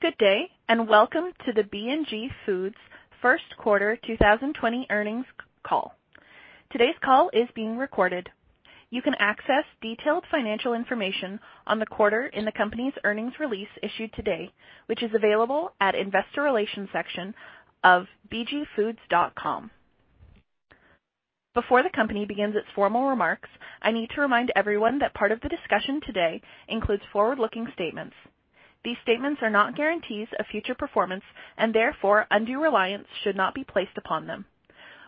Good day, and welcome to the B&G Foods first quarter 2020 earnings call. Today's call is being recorded. You can access detailed financial information on the quarter in the company's earnings release issued today, which is available at investor relations section of bgfoods.com. Before the company begins its formal remarks, I need to remind everyone that part of the discussion today includes forward-looking statements. These statements are not guarantees of future performance, and therefore undue reliance should not be placed upon them.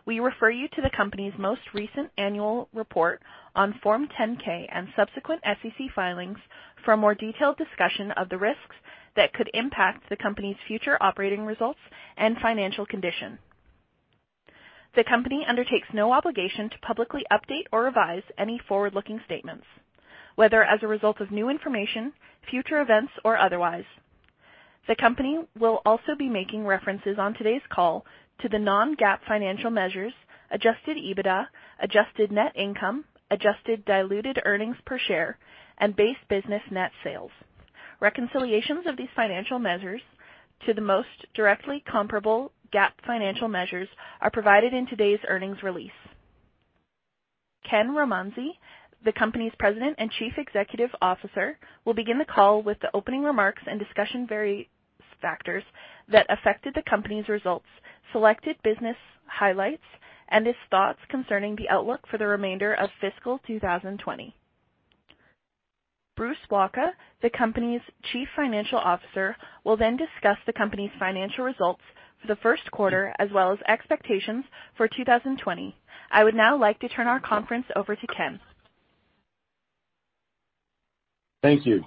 We refer you to the company's most recent annual report on Form 10-K and subsequent SEC filings for a more detailed discussion of the risks that could impact the company's future operating results and financial condition. The company undertakes no obligation to publicly update or revise any forward-looking statements, whether as a result of new information, future events, or otherwise. The company will also be making references on today's call to the non-GAAP financial measures, adjusted EBITDA, adjusted net income, adjusted diluted earnings per share, and base business net sales. Reconciliations of these financial measures to the most directly comparable GAAP financial measures are provided in today's earnings release. Ken Romanzi, the company's President and Chief Executive Officer, will begin the call with the opening remarks and discussion various factors that affected the company's results, selected business highlights, and his thoughts concerning the outlook for the remainder of fiscal 2020. Bruce Wacha, the company's Chief Financial Officer, will discuss the company's financial results for the first quarter, as well as expectations for 2020. I would now like to turn our conference over to Ken. Thank you.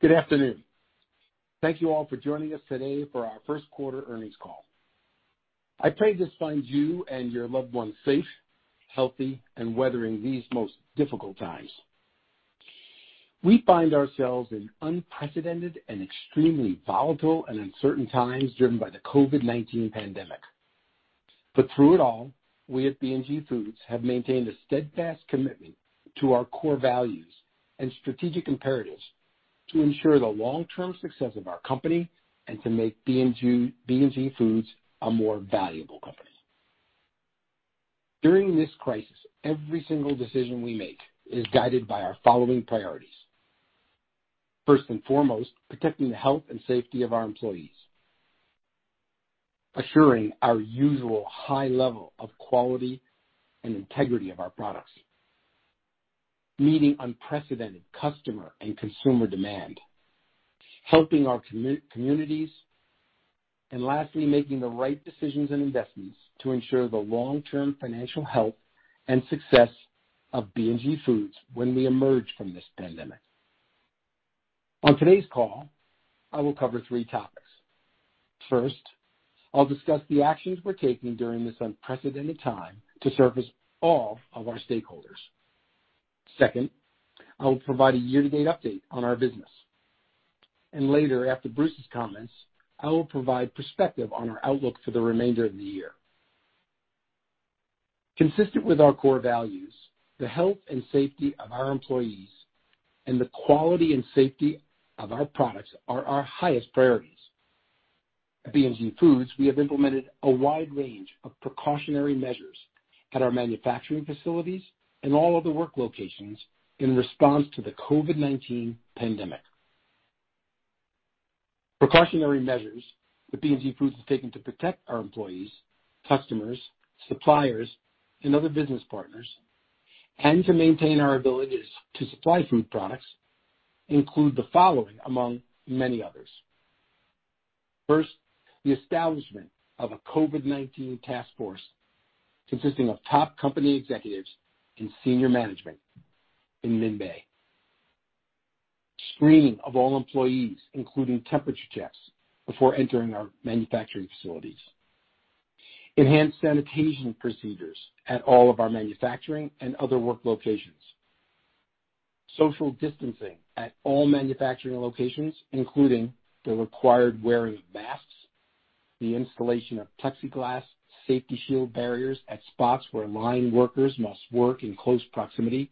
Good afternoon. Thank you all for joining us today for our first quarter earnings call. I pray this finds you and your loved ones safe, healthy, and weathering these most difficult times. We find ourselves in unprecedented and extremely volatile and uncertain times driven by the COVID-19 pandemic. Through it all, we at B&G Foods have maintained a steadfast commitment to our core values and strategic imperatives to ensure the long-term success of our company and to make B&G Foods a more valuable company. During this crisis, every single decision we make is guided by our following priorities. First and foremost, protecting the health and safety of our employees. Assuring our usual high level of quality and integrity of our products. Meeting unprecedented customer and consumer demand. Helping our communities. Lastly, making the right decisions and investments to ensure the long-term financial health and success of B&G Foods when we emerge from this pandemic. On today's call, I will cover three topics. First, I'll discuss the actions we're taking during this unprecedented time to service all of our stakeholders. Second, I will provide a year-to-date update on our business. Later, after Bruce's comments, I will provide perspective on our outlook for the remainder of the year. Consistent with our core values, the health and safety of our employees and the quality and safety of our products are our highest priorities. At B&G Foods, we have implemented a wide range of precautionary measures at our manufacturing facilities and all other work locations in response to the COVID-19 pandemic. Precautionary measures that B&G Foods has taken to protect our employees, customers, suppliers, and other business partners and to maintain our abilities to supply food products include the following, among many others. First, the establishment of a COVID-19 task force consisting of top company executives and senior management in mid-May. Screening of all employees, including temperature checks before entering our manufacturing facilities. Enhanced sanitation procedures at all of our manufacturing and other work locations. Social distancing at all manufacturing locations, including the required wearing of masks, the installation of plexiglass safety shield barriers at spots where line workers must work in close proximity,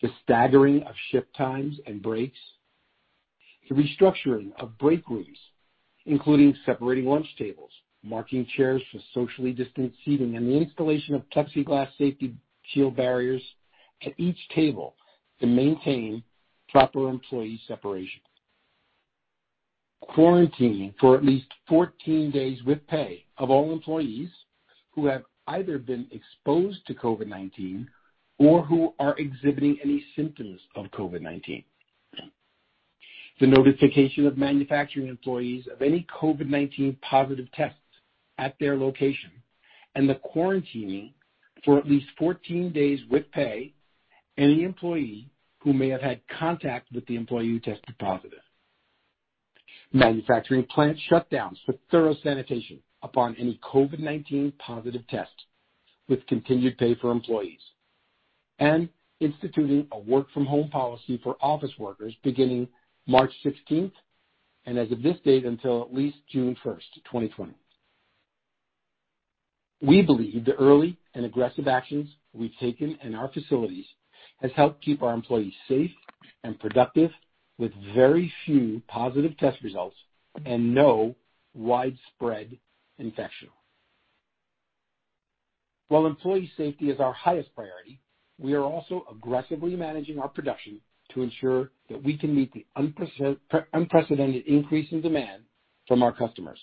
the staggering of shift times and breaks, the restructuring of break rooms, including separating lunch tables, marking chairs for socially distant seating, and the installation of plexiglass safety shield barriers at each table to maintain proper employee separation. Quarantine for at least 14 days with pay of all employees who have either been exposed to COVID-19 or who are exhibiting any symptoms of COVID-19. The notification of manufacturing employees of any COVID-19 positive tests at their location and the quarantining for at least 14 days with pay any employee who may have had contact with the employee who tested positive. Manufacturing plant shutdowns for thorough sanitation upon any COVID-19 positive test with continued pay for employees. Instituting a work-from-home policy for office workers beginning March 16th, and as of this date, until at least June 1st, 2020. We believe the early and aggressive actions we've taken in our facilities has helped keep our employees safe and productive, with very few positive test results and no widespread infection. While employee safety is our highest priority, we are also aggressively managing our production to ensure that we can meet the unprecedented increase in demand from our customers.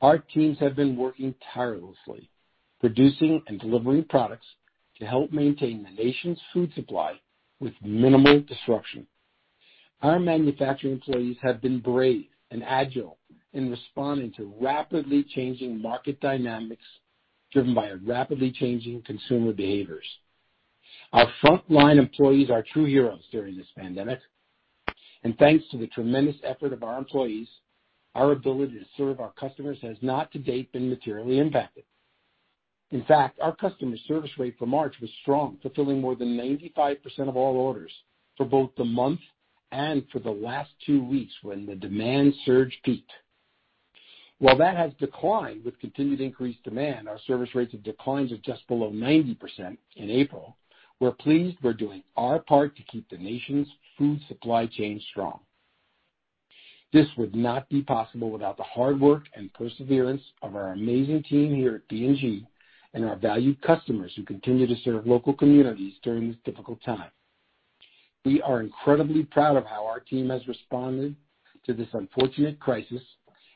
Our teams have been working tirelessly, producing and delivering products to help maintain the nation's food supply with minimal disruption. Our manufacturing employees have been brave and agile in responding to rapidly changing market dynamics driven by our rapidly changing consumer behaviors. Our frontline employees are true heroes during this pandemic, and thanks to the tremendous effort of our employees, our ability to serve our customers has not to date been materially impacted. In fact, our customer service rate for March was strong, fulfilling more than 95% of all orders for both the month and for the last two weeks when the demand surge peaked. While that has declined with continued increased demand, our service rates have declined to just below 90% in April. We're pleased we're doing our part to keep the nation's food supply chain strong. This would not be possible without the hard work and perseverance of our amazing team here at B&G, and our valued customers who continue to serve local communities during this difficult time. We are incredibly proud of how our team has responded to this unfortunate crisis,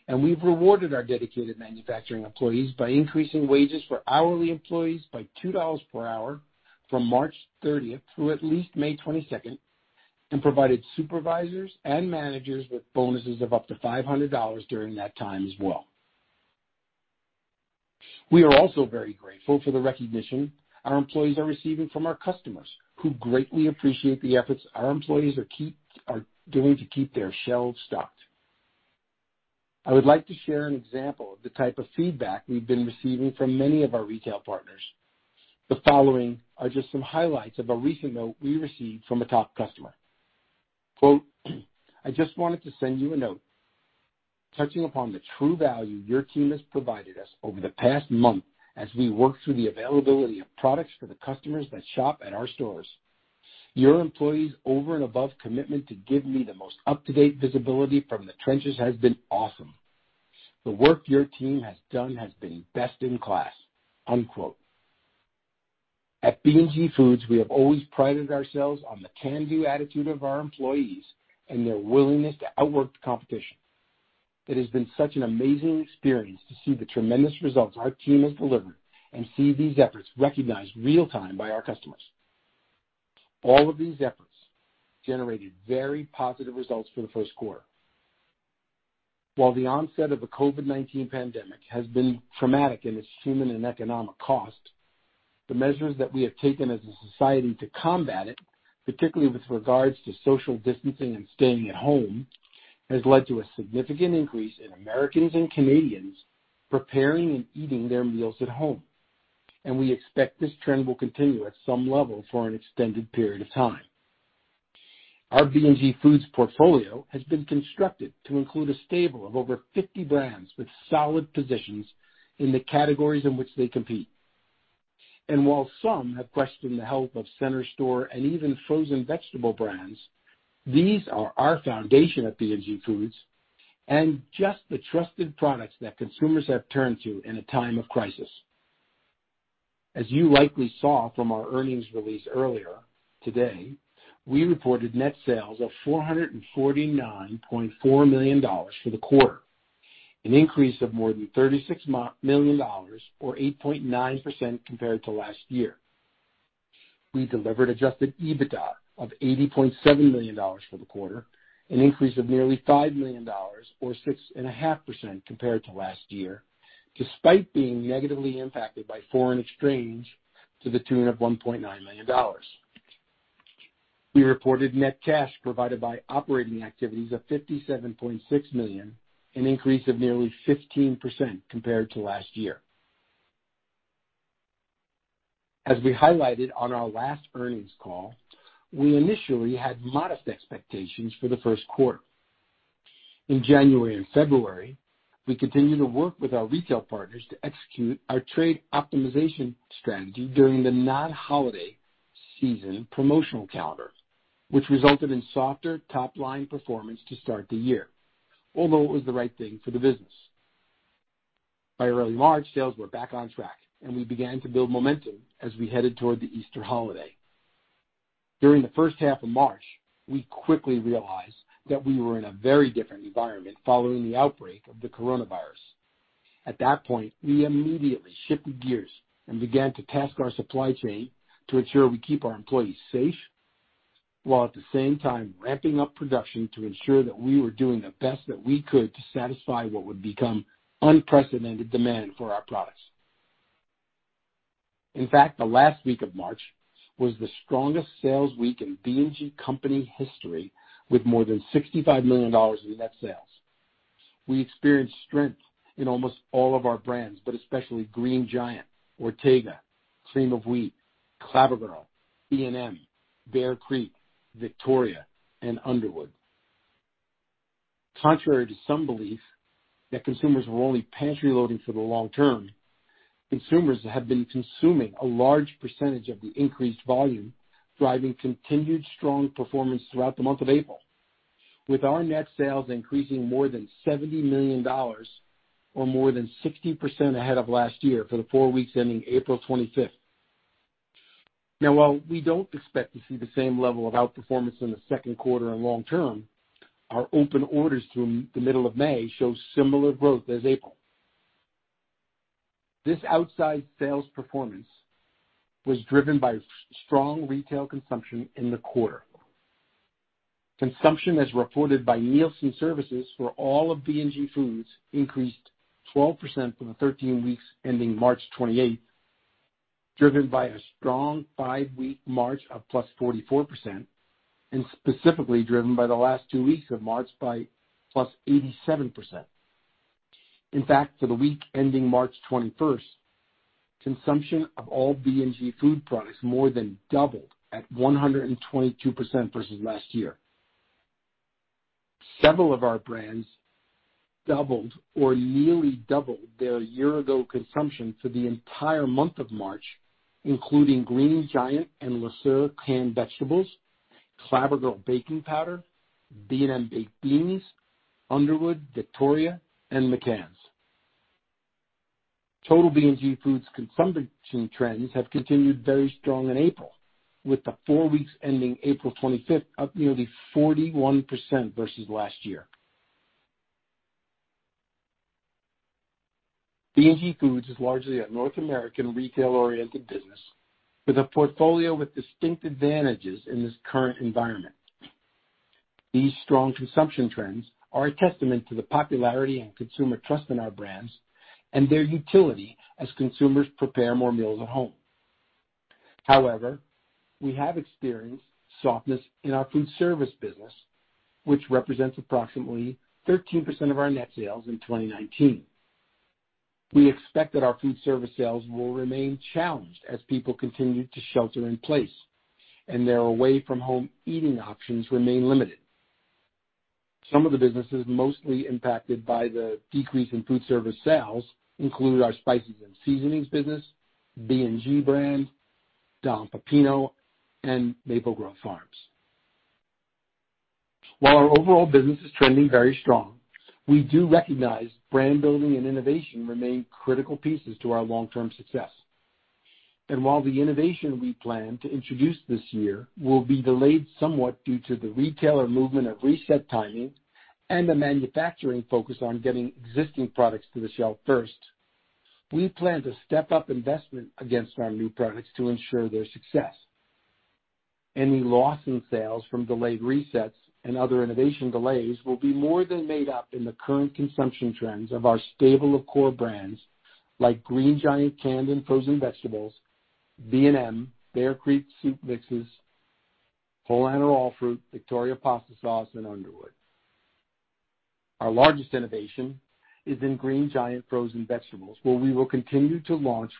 and we've rewarded our dedicated manufacturing employees by increasing wages for hourly employees by $2 per hour from March 30th through at least May 22nd, and provided supervisors and managers with bonuses of up to $500 during that time as well. We are also very grateful for the recognition our employees are receiving from our customers, who greatly appreciate the efforts our employees are doing to keep their shelves stocked. I would like to share an example of the type of feedback we've been receiving from many of our retail partners. The following are just some highlights of a recent note we received from a top customer. Quote, "I just wanted to send you a note touching upon the true value your team has provided us over the past month as we work through the availability of products for the customers that shop at our stores. Your employees' over-and-above commitment to give me the most up-to-date visibility from the trenches has been awesome. The work your team has done has been best in class." Unquote. At B&G Foods, we have always prided ourselves on the can-do attitude of our employees and their willingness to outwork the competition. It has been such an amazing experience to see the tremendous results our team has delivered and see these efforts recognized real time by our customers. All of these efforts generated very positive results for the first quarter. While the onset of the COVID-19 pandemic has been traumatic in its human and economic cost, the measures that we have taken as a society to combat it, particularly with regards to social distancing and staying at home, has led to a significant increase in Americans and Canadians preparing and eating their meals at home. We expect this trend will continue at some level for an extended period of time. Our B&G Foods portfolio has been constructed to include a stable of over 50 brands with solid positions in the categories in which they compete. While some have questioned the health of center store and even frozen vegetable brands, these are our foundation at B&G Foods and just the trusted products that consumers have turned to in a time of crisis. As you likely saw from our earnings release earlier today, we reported net sales of $449.4 million for the quarter, an increase of more than $36 million, or 8.9% compared to last year. We delivered adjusted EBITDA of $80.7 million for the quarter, an increase of nearly $5 million, or 6.5% compared to last year, despite being negatively impacted by foreign exchange to the tune of $1.9 million. We reported net cash provided by operating activities of $57.6 million, an increase of nearly 15% compared to last year. As we highlighted on our last earnings call, we initially had modest expectations for the first quarter. In January and February, we continued to work with our retail partners to execute our trade optimization strategy during the non-holiday season promotional calendar, which resulted in softer top-line performance to start the year, although it was the right thing for the business. By early March, sales were back on track, and we began to build momentum as we headed toward the Easter holiday. During the first half of March, we quickly realized that we were in a very different environment following the outbreak of COVID-19. At that point, we immediately shifted gears and began to task our supply chain to ensure we keep our employees safe, while at the same time ramping up production to ensure that we were doing the best that we could to satisfy what would become unprecedented demand for our products. In fact, the last week of March was the strongest sales week in B&G Foods company history, with more than $65 million in net sales. We experienced strength in almost all of our brands, but especially Green Giant, Ortega, Cream of Wheat, Clabber Girl, B&M, Bear Creek, Victoria, and Underwood. Contrary to some belief that consumers were only pantry loading for the long term, consumers have been consuming a large percentage of the increased volume, driving continued strong performance throughout the month of April, with our net sales increasing more than $70 million, or more than 60% ahead of last year for the four weeks ending April 25th. Now, while we don't expect to see the same level of outperformance in the second quarter and long term, our open orders through the middle of May show similar growth as April. This outsized sales performance was driven by strong retail consumption in the quarter. Consumption, as reported by Nielsen for all of B&G Foods, increased 12% for the 13 weeks ending March 28th, driven by a strong five-week March of +44%, and specifically driven by the last two weeks of March by +87%. In fact, for the week ending March 21st, consumption of all B&G Foods products more than doubled at 122% versus last year. Several of our brands doubled or nearly doubled their year-ago consumption for the entire month of March, including Green Giant and Le Sueur canned vegetables, Clabber Girl baking powder, B&M baked beans, Underwood, Victoria, and McCann's. Total B&G Foods consumption trends have continued very strong in April, with the four weeks ending April 25th up nearly 41% versus last year. B&G Foods is largely a North American retail-oriented business with a portfolio with distinct advantages in this current environment. These strong consumption trends are a testament to the popularity and consumer trust in our brands and their utility as consumers prepare more meals at home. We have experienced softness in our food service business, which represents approximately 13% of our net sales in 2019. We expect that our food service sales will remain challenged as people continue to shelter in place, and their away-from-home eating options remain limited. Some of the businesses mostly impacted by the decrease in food service sales include our spices and seasonings business, B&G brands, Don Pepino, and Maple Grove Farms. While our overall business is trending very strong, we do recognize brand building and innovation remain critical pieces to our long-term success. While the innovation we plan to introduce this year will be delayed somewhat due to the retailer movement of reset timing and the manufacturing focus on getting existing products to the shelf first, we plan to step up investment against our new products to ensure their success. Any loss in sales from delayed resets and other innovation delays will be more than made up in the current consumption trends of our stable of core brands like Green Giant canned and frozen vegetables, B&M, Bear Creek soup mixes, Polaner All Fruit, Victoria pasta sauce, and Underwood. Our largest innovation is in Green Giant frozen vegetables, where we will continue to launch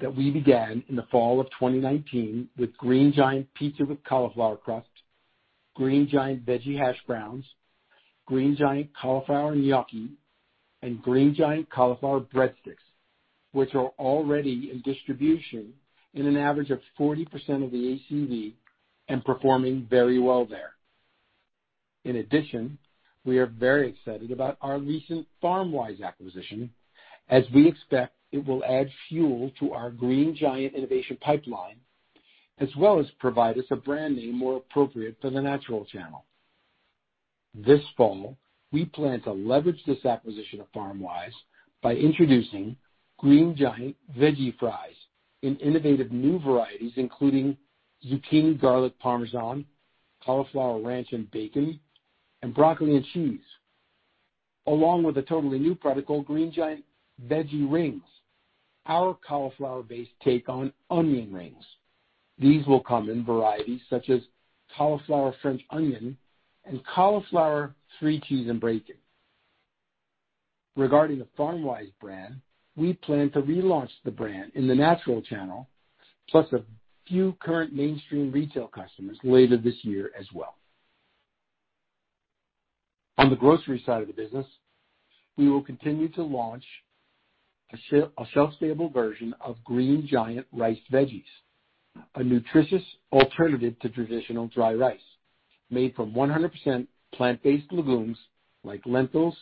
that we began in the fall of 2019 with Green Giant pizza with cauliflower crust, Green Giant Veggie Hash Browns, Green Giant Cauliflower Gnocchi, and Green Giant Cauliflower Breadsticks, which are already in distribution in an average of 40% of the ACV and performing very well there. In addition, we are very excited about our recent Farmwise acquisition, as we expect it will add fuel to our Green Giant innovation pipeline, as well as provide us a brand name more appropriate for the natural channel. This fall, we plan to leverage this acquisition of Farmwise by introducing Green Giant Veggie Fries in innovative new varieties, including zucchini garlic Parmesan, cauliflower ranch and bacon, and broccoli and cheese, along with a totally new product called Green Giant Veggie Rings, our cauliflower-based take on onion rings. These will come in varieties such as cauliflower French onion and cauliflower three cheese and bacon. Regarding the Farmwise brand, we plan to relaunch the brand in the natural channel, plus a few current mainstream retail customers later this year as well. On the grocery side of the business, we will continue to launch a shelf-stable version of Green Giant Riced Veggies, a nutritious alternative to traditional dry rice made from 100% plant-based legumes like lentils,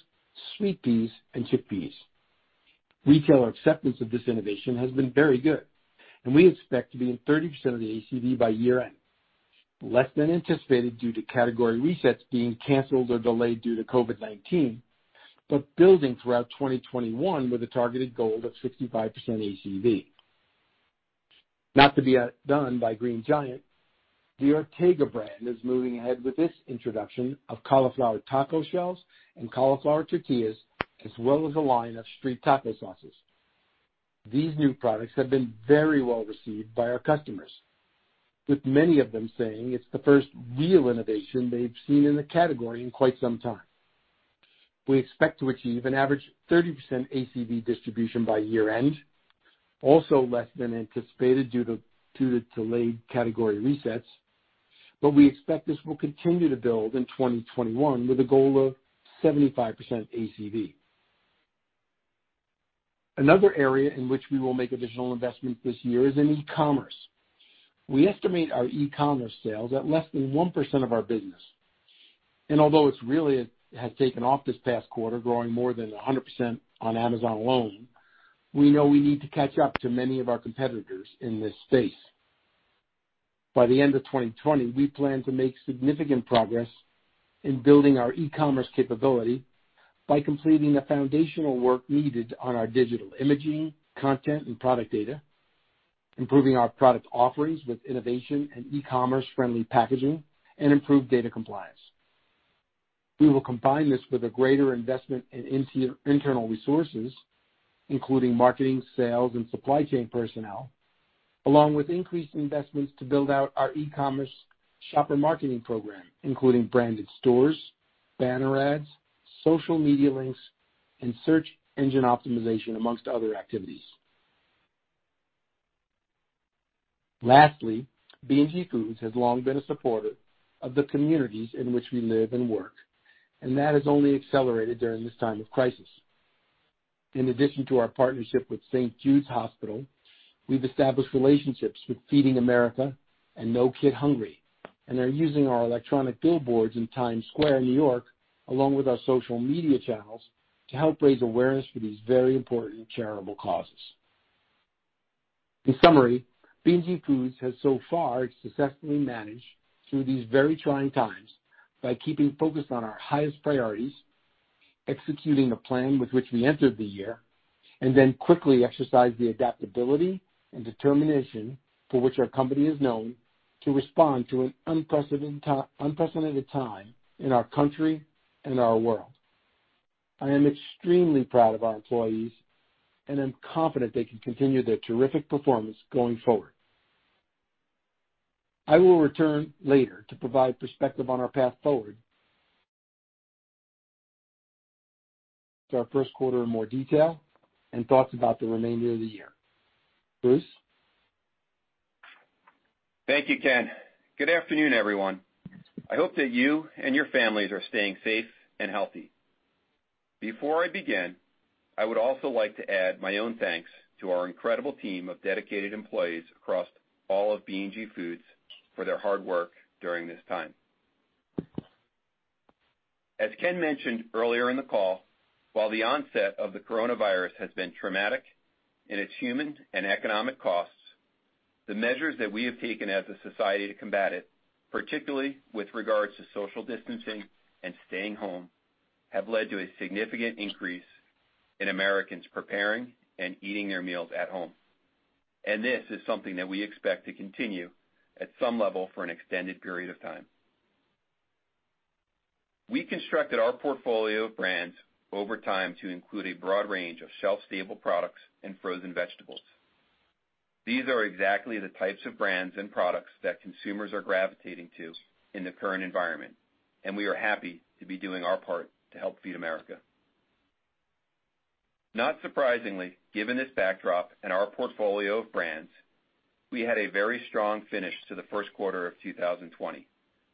sweet peas, and chickpeas. Retailer acceptance of this innovation has been very good. We expect to be in 30% of the ACV by year-end, less than anticipated due to category resets being canceled or delayed due to COVID-19, but building throughout 2021 with a targeted goal of 65% ACV. Not to be outdone by Green Giant, the Ortega brand is moving ahead with this introduction of cauliflower taco shells and cauliflower tortillas, as well as a line of street taco sauces. These new products have been very well received by our customers, with many of them saying it's the first real innovation they've seen in the category in quite some time. We expect to achieve an average 30% ACV distribution by year-end, also less than anticipated due to delayed category resets, but we expect this will continue to build in 2021 with a goal of 75% ACV. Another area in which we will make additional investments this year is in e-commerce. We estimate our e-commerce sales at less than 1% of our business, although it really has taken off this past quarter, growing more than 100% on Amazon alone, we know we need to catch up to many of our competitors in this space. By the end of 2020, we plan to make significant progress in building our e-commerce capability by completing the foundational work needed on our digital imaging, content, and product data, improving our product offerings with innovation and e-commerce-friendly packaging, and improved data compliance. We will combine this with a greater investment in internal resources, including marketing, sales, and supply chain personnel, along with increased investments to build out our e-commerce shopper marketing program, including branded stores, banner ads, social media links, and search engine optimization, among other activities. Lastly, B&G Foods has long been a supporter of the communities in which we live and work, and that has only accelerated during this time of crisis. In addition to our partnership with St. Jude's Hospital, we've established relationships with Feeding America and No Kid Hungry, and are using our electronic billboards in Times Square, New York, along with our social media channels, to help raise awareness for these very important charitable causes. In summary, B&G Foods has so far successfully managed through these very trying times by keeping focused on our highest priorities, executing a plan with which we entered the year, and then quickly exercised the adaptability and determination for which our company is known to respond to an unprecedented time in our country and our world. I am extremely proud of our employees, and I'm confident they can continue their terrific performance going forward. I will return later to provide perspective on our path forward to our first quarter in more detail, and thoughts about the remainder of the year. Bruce? Thank you, Ken. Good afternoon, everyone. I hope that you and your families are staying safe and healthy. Before I begin, I would also like to add my own thanks to our incredible team of dedicated employees across all of B&G Foods for their hard work during this time. As Ken mentioned earlier in the call, while the onset of the COVID-19 has been traumatic in its human and economic costs, the measures that we have taken as a society to combat it, particularly with regards to social distancing and staying home, have led to a significant increase in Americans preparing and eating their meals at home. This is something that we expect to continue at some level for an extended period of time. We constructed our portfolio of brands over time to include a broad range of shelf-stable products and frozen vegetables. These are exactly the types of brands and products that consumers are gravitating to in the current environment, and we are happy to be doing our part to help Feeding America. Not surprisingly, given this backdrop and our portfolio of brands, we had a very strong finish to the first quarter of 2020,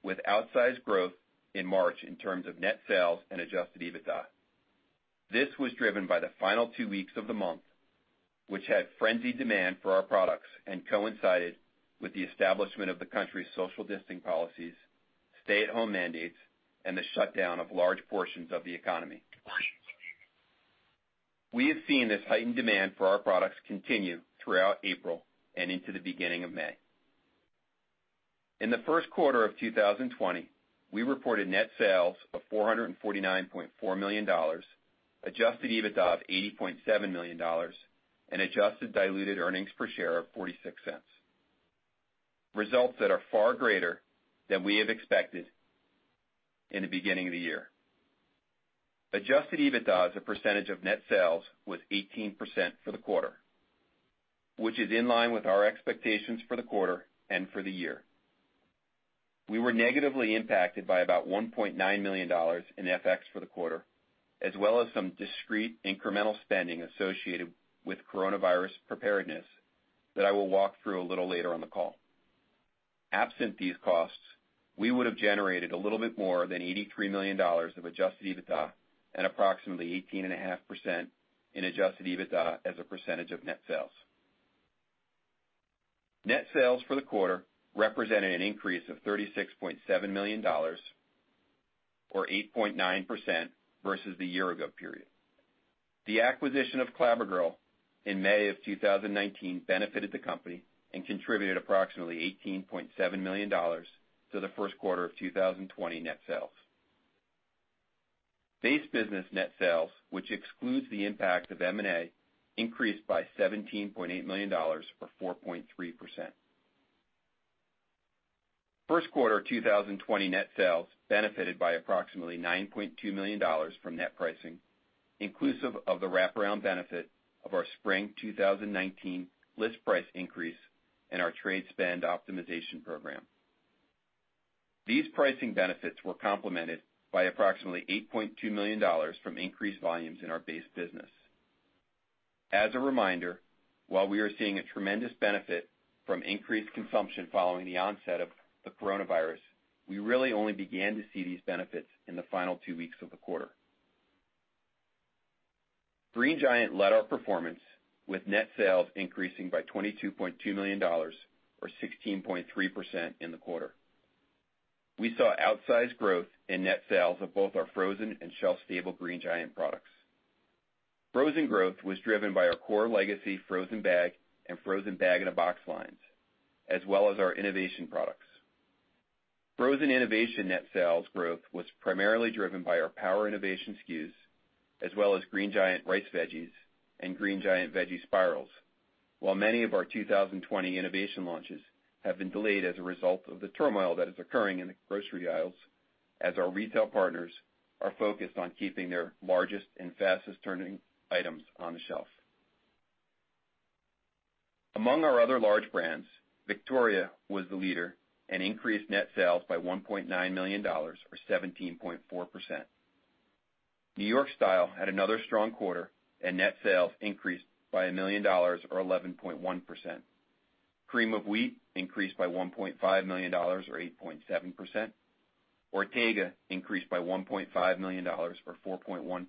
with outsized growth in March in terms of net sales and adjusted EBITDA. This was driven by the final two weeks of the month, which had frenzied demand for our products and coincided with the establishment of the country's social distancing policies, stay-at-home mandates, and the shutdown of large portions of the economy. We have seen this heightened demand for our products continue throughout April and into the beginning of May. In the first quarter of 2020, we reported net sales of $449.4 million, adjusted EBITDA of $80.7 million, and adjusted diluted earnings per share of $0.46, results that are far greater than we had expected in the beginning of the year. Adjusted EBITDA as a percentage of net sales was 18% for the quarter, which is in line with our expectations for the quarter and for the year. We were negatively impacted by about $1.9 million in FX for the quarter, as well as some discrete incremental spending associated with coronavirus preparedness that I will walk through a little later on the call. Absent these costs, we would have generated a little bit more than $83 million of adjusted EBITDA and approximately 18.5% in adjusted EBITDA as a percentage of net sales. Net sales for the quarter represented an increase of $36.7 million, or 8.9% versus the year ago period. The acquisition of Clabber Girl in May of 2019 benefited the company and contributed approximately $18.7 million to the first quarter of 2020 net sales. Base business net sales, which excludes the impact of M&A, increased by $17.8 million, or 4.3%. First quarter 2020 net sales benefited by approximately $9.2 million from net pricing, inclusive of the wraparound benefit of our spring 2019 list price increase and our trade spend optimization program. These pricing benefits were complemented by approximately $8.2 million from increased volumes in our base business. As a reminder, while we are seeing a tremendous benefit from increased consumption following the onset of the coronavirus, we really only began to see these benefits in the final two weeks of the quarter. Green Giant led our performance with net sales increasing by $22.2 million, or 16.3% in the quarter. We saw outsized growth in net sales of both our frozen and shelf-stable Green Giant products. Frozen growth was driven by our core legacy frozen bag and frozen bag in a box lines, as well as our innovation products. Frozen innovation net sales growth was primarily driven by our power innovation SKUs, as well as Green Giant Riced Veggies and Green Giant Veggie Spirals, while many of our 2020 innovation launches have been delayed as a result of the turmoil that is occurring in the grocery aisles, as our retail partners are focused on keeping their largest and fastest turning items on the shelf. Among our other large brands, Victoria was the leader and increased net sales by $1.9 million, or 17.4%. New York Style had another strong quarter. Net sales increased by $1 million or 11.1%. Cream of Wheat increased by $1.5 million or 8.7%. Ortega increased by $1.5 million or 4.1%.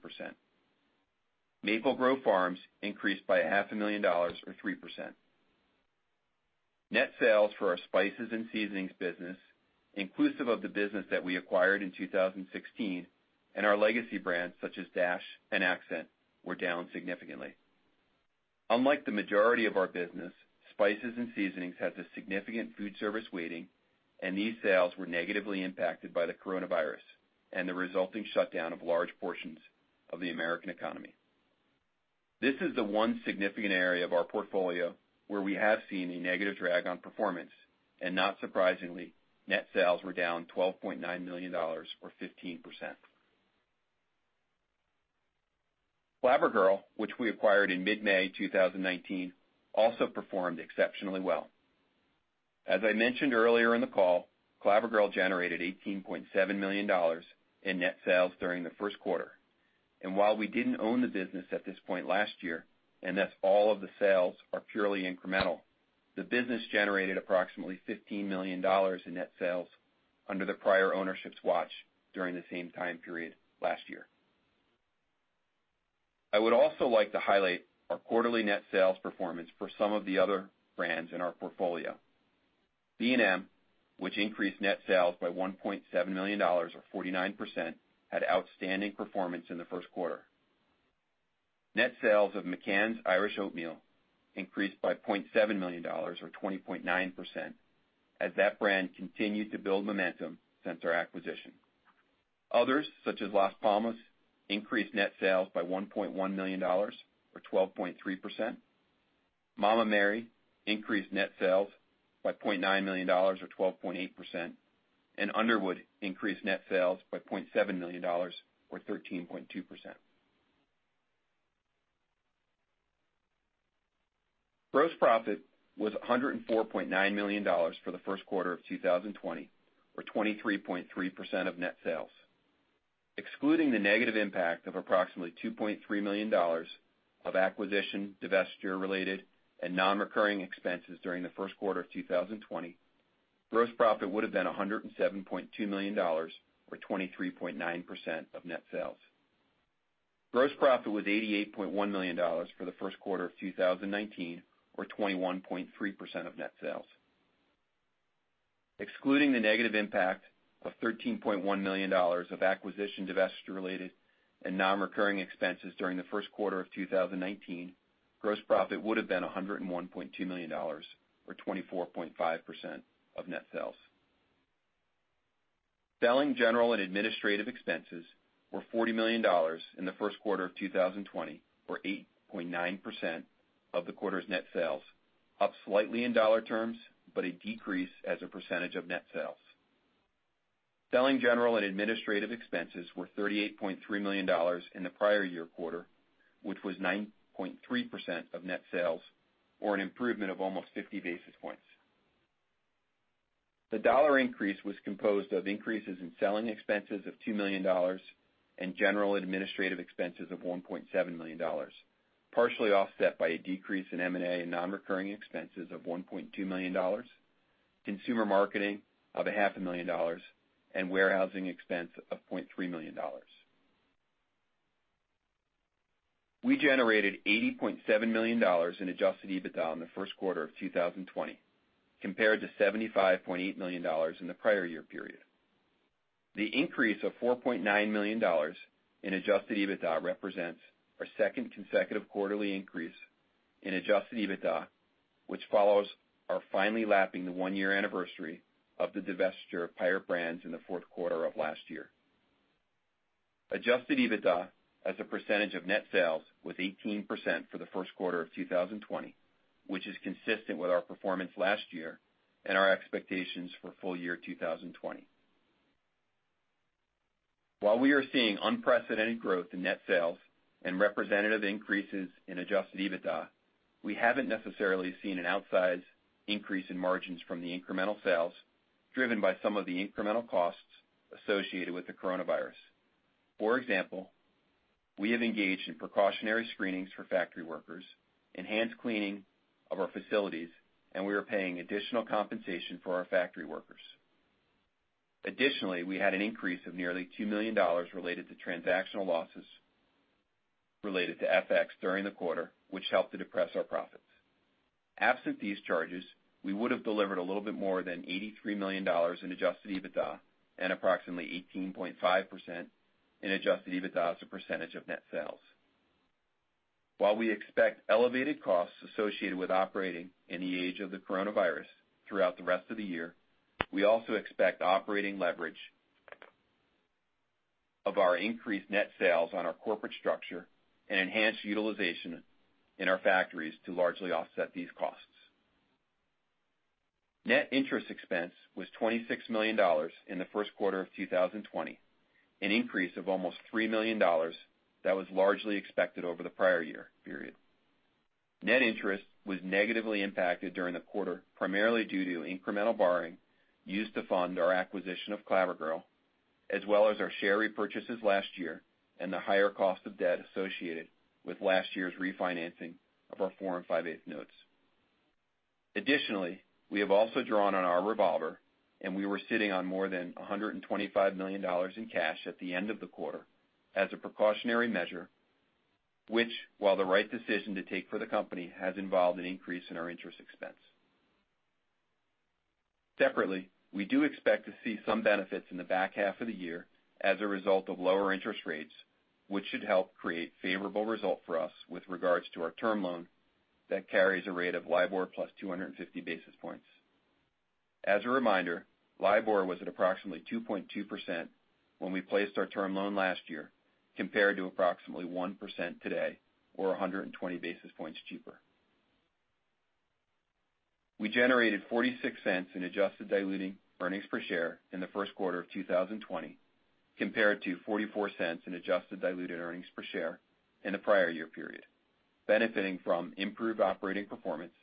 Maple Grove Farms increased by a half a million dollars or 3%. Net sales for our spices and seasonings business, inclusive of the business that we acquired in 2016, and our legacy brands such as Dash and Ac'cent, were down significantly. Unlike the majority of our business, spices and seasonings has a significant food service weighting. These sales were negatively impacted by COVID-19 and the resulting shutdown of large portions of the American economy. This is the one significant area of our portfolio where we have seen a negative drag on performance. Not surprisingly, net sales were down $12.9 million or 15%. Clabber Girl, which we acquired in mid-May 2019, also performed exceptionally well. As I mentioned earlier in the call, Clabber Girl generated $18.7 million in net sales during the first quarter. While we didn't own the business at this point last year, and thus all of the sales are purely incremental, the business generated approximately $15 million in net sales under the prior ownership's watch during the same time period last year. I would also like to highlight our quarterly net sales performance for some of the other brands in our portfolio. B&M, which increased net sales by $1.7 million or 49%, had outstanding performance in the first quarter. Net sales of McCann's Irish Oatmeal increased by $0.7 million or 20.9%, as that brand continued to build momentum since our acquisition. Others, such as Las Palmas, increased net sales by $1.1 million or 12.3%. Mama Mary's increased net sales by $0.9 million or 12.8%, and Underwood increased net sales by $0.7 million or 13.2%. Gross profit was $104.9 million for the first quarter of 2020 or 23.3% of net sales. Excluding the negative impact of approximately $2.3 million of acquisition, divestiture-related and non-recurring expenses during the first quarter of 2020, gross profit would have been $107.2 million or 23.9% of net sales. Gross profit was $88.1 million for the first quarter of 2019 or 21.3% of net sales. Excluding the negative impact of $13.1 million of acquisition, divestiture-related and non-recurring expenses during the first quarter of 2019, gross profit would have been $101.2 million or 24.5% of net sales. Selling, general and administrative expenses were $40 million in the first quarter of 2020 or 8.9% of the quarter's net sales, up slightly in dollar terms, but a decrease as a percentage of net sales. Selling, general and administrative expenses were $38.3 million in the prior year quarter, which was 9.3% of net sales or an improvement of almost 50 basis points. The dollar increase was composed of increases in selling expenses of $2 million and general administrative expenses of $1.7 million, partially offset by a decrease in M&A and non-recurring expenses of $1.2 million, consumer marketing of a half a million dollars and warehousing expense of $0.3 million. We generated $80.7 million in adjusted EBITDA in the first quarter of 2020 compared to $75.8 million in the prior year period. The increase of $4.9 million in adjusted EBITDA represents our second consecutive quarterly increase in adjusted EBITDA, which follows our finally lapping the one-year anniversary of the divestiture of Pirate Brands in the fourth quarter of last year. Adjusted EBITDA as a percentage of net sales was 18% for the first quarter of 2020, which is consistent with our performance last year and our expectations for full year 2020. While we are seeing unprecedented growth in net sales and representative increases in adjusted EBITDA, we haven't necessarily seen an outsized increase in margins from the incremental sales, driven by some of the incremental costs associated with the coronavirus. For example, we have engaged in precautionary screenings for factory workers, enhanced cleaning of our facilities, and we are paying additional compensation for our factory workers. Additionally, we had an increase of nearly $2 million related to transactional losses related to FX during the quarter, which helped to depress our profits. Absent these charges, we would've delivered a little bit more than $83 million in adjusted EBITDA and approximately 18.5% in adjusted EBITDA as a percentage of net sales. While we expect elevated costs associated with operating in the age of COVID-19 throughout the rest of the year, we also expect operating leverage of our increased net sales on our corporate structure and enhanced utilization in our factories to largely offset these costs. Net interest expense was $26 million in the first quarter of 2020, an increase of almost $3 million that was largely expected over the prior year period. Net interest was negatively impacted during the quarter, primarily due to incremental borrowing used to fund our acquisition of Clabber Girl, as well as our share repurchases last year and the higher cost of debt associated with last year's refinancing of our four and five-eighth notes. Additionally, we have also drawn on our revolver, and we were sitting on more than $125 million in cash at the end of the quarter as a precautionary measure, which, while the right decision to take for the company, has involved an increase in our interest expense. Separately, we do expect to see some benefits in the back half of the year as a result of lower interest rates, which should help create favorable result for us with regards to our term loan that carries a rate of LIBOR plus 250 basis points. As a reminder, LIBOR was at approximately 2.2% when we placed our term loan last year, compared to approximately 1% today, or 120 basis points cheaper. We generated $0.46 in adjusted diluted earnings per share in the first quarter of 2020, compared to $0.44 in adjusted diluted earnings per share in the prior year period, benefiting from improved operating performance,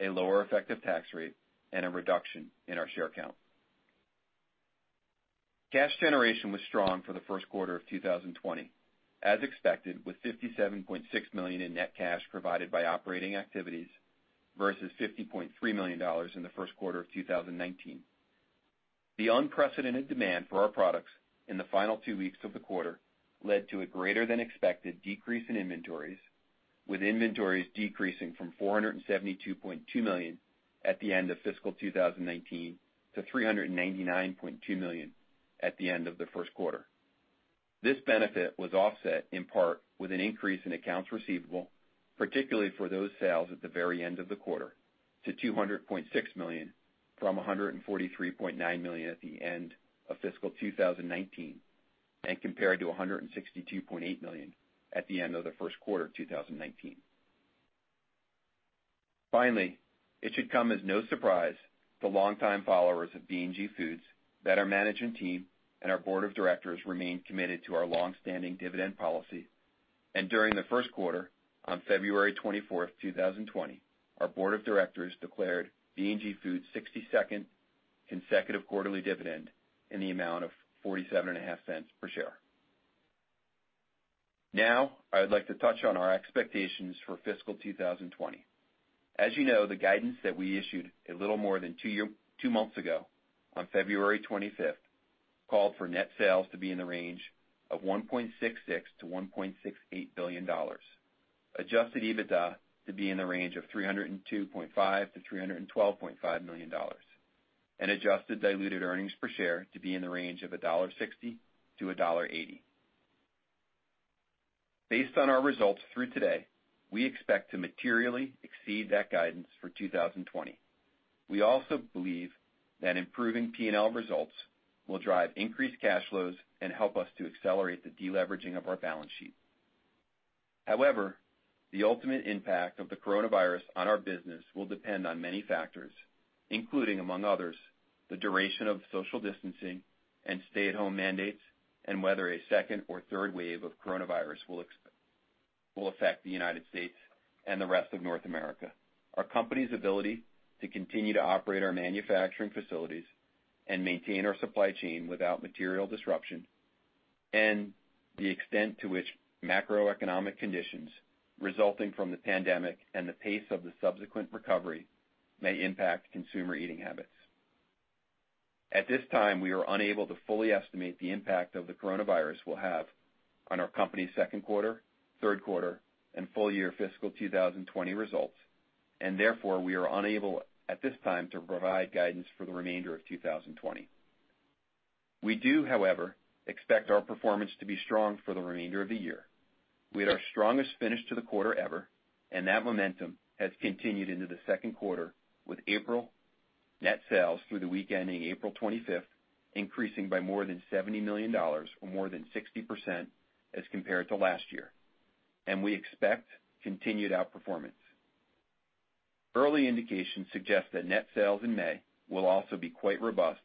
a lower effective tax rate, and a reduction in our share count. Cash generation was strong for the first quarter of 2020, as expected, with $57.6 million in net cash provided by operating activities versus $50.3 million in the first quarter of 2019. The unprecedented demand for our products in the final two weeks of the quarter led to a greater-than-expected decrease in inventories, with inventories decreasing from $472.2 million at the end of fiscal 2019 to $399.2 million at the end of the first quarter. This benefit was offset in part with an increase in accounts receivable, particularly for those sales at the very end of the quarter, to $200.6 million from $143.9 million at the end of fiscal 2019, and compared to $162.8 million at the end of the first quarter of 2019. Finally, it should come as no surprise to longtime followers of B&G Foods that our management team and our board of directors remain committed to our longstanding dividend policy. During the first quarter, on February 24th, 2020, our board of directors declared B&G Foods' 62nd consecutive quarterly dividend in the amount of $0.475 per share. Now, I would like to touch on our expectations for fiscal 2020. As you know, the guidance that we issued a little more than two months ago, on February 25th, called for net sales to be in the range of $1.66 billion-$1.68 billion, adjusted EBITDA to be in the range of $302.5 million-$312.5 million, and adjusted diluted earnings per share to be in the range of $1.60-$1.80. Based on our results through today, we expect to materially exceed that guidance for 2020. We also believe that improving P&L results will drive increased cash flows and help us to accelerate the de-leveraging of our balance sheet. The ultimate impact of the coronavirus on our business will depend on many factors, including, among others, the duration of social distancing and stay-at-home mandates, and whether a second or third wave of coronavirus will affect the U.S. and the rest of North America, our company's ability to continue to operate our manufacturing facilities and maintain our supply chain without material disruption, and the extent to which macroeconomic conditions resulting from the pandemic and the pace of the subsequent recovery may impact consumer eating habits. At this time, we are unable to fully estimate the impact of the coronavirus will have on our company's second quarter, third quarter, and full-year fiscal 2020 results. Therefore, we are unable, at this time, to provide guidance for the remainder of 2020. We do, however, expect our performance to be strong for the remainder of the year. We had our strongest finish to the quarter ever, and that momentum has continued into the second quarter with April net sales through the week ending April 25th, increasing by more than $70 million or more than 60% as compared to last year, and we expect continued outperformance. Early indications suggest that net sales in May will also be quite robust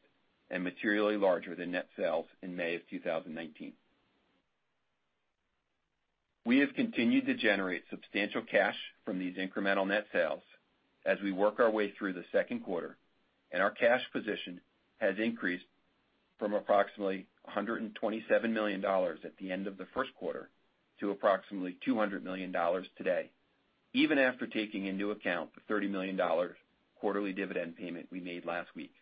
and materially larger than net sales in May of 2019. We have continued to generate substantial cash from these incremental net sales as we work our way through the second quarter, and our cash position has increased from approximately $127 million at the end of the first quarter to approximately $200 million today, even after taking into account the $30 million quarterly dividend payment we made last week.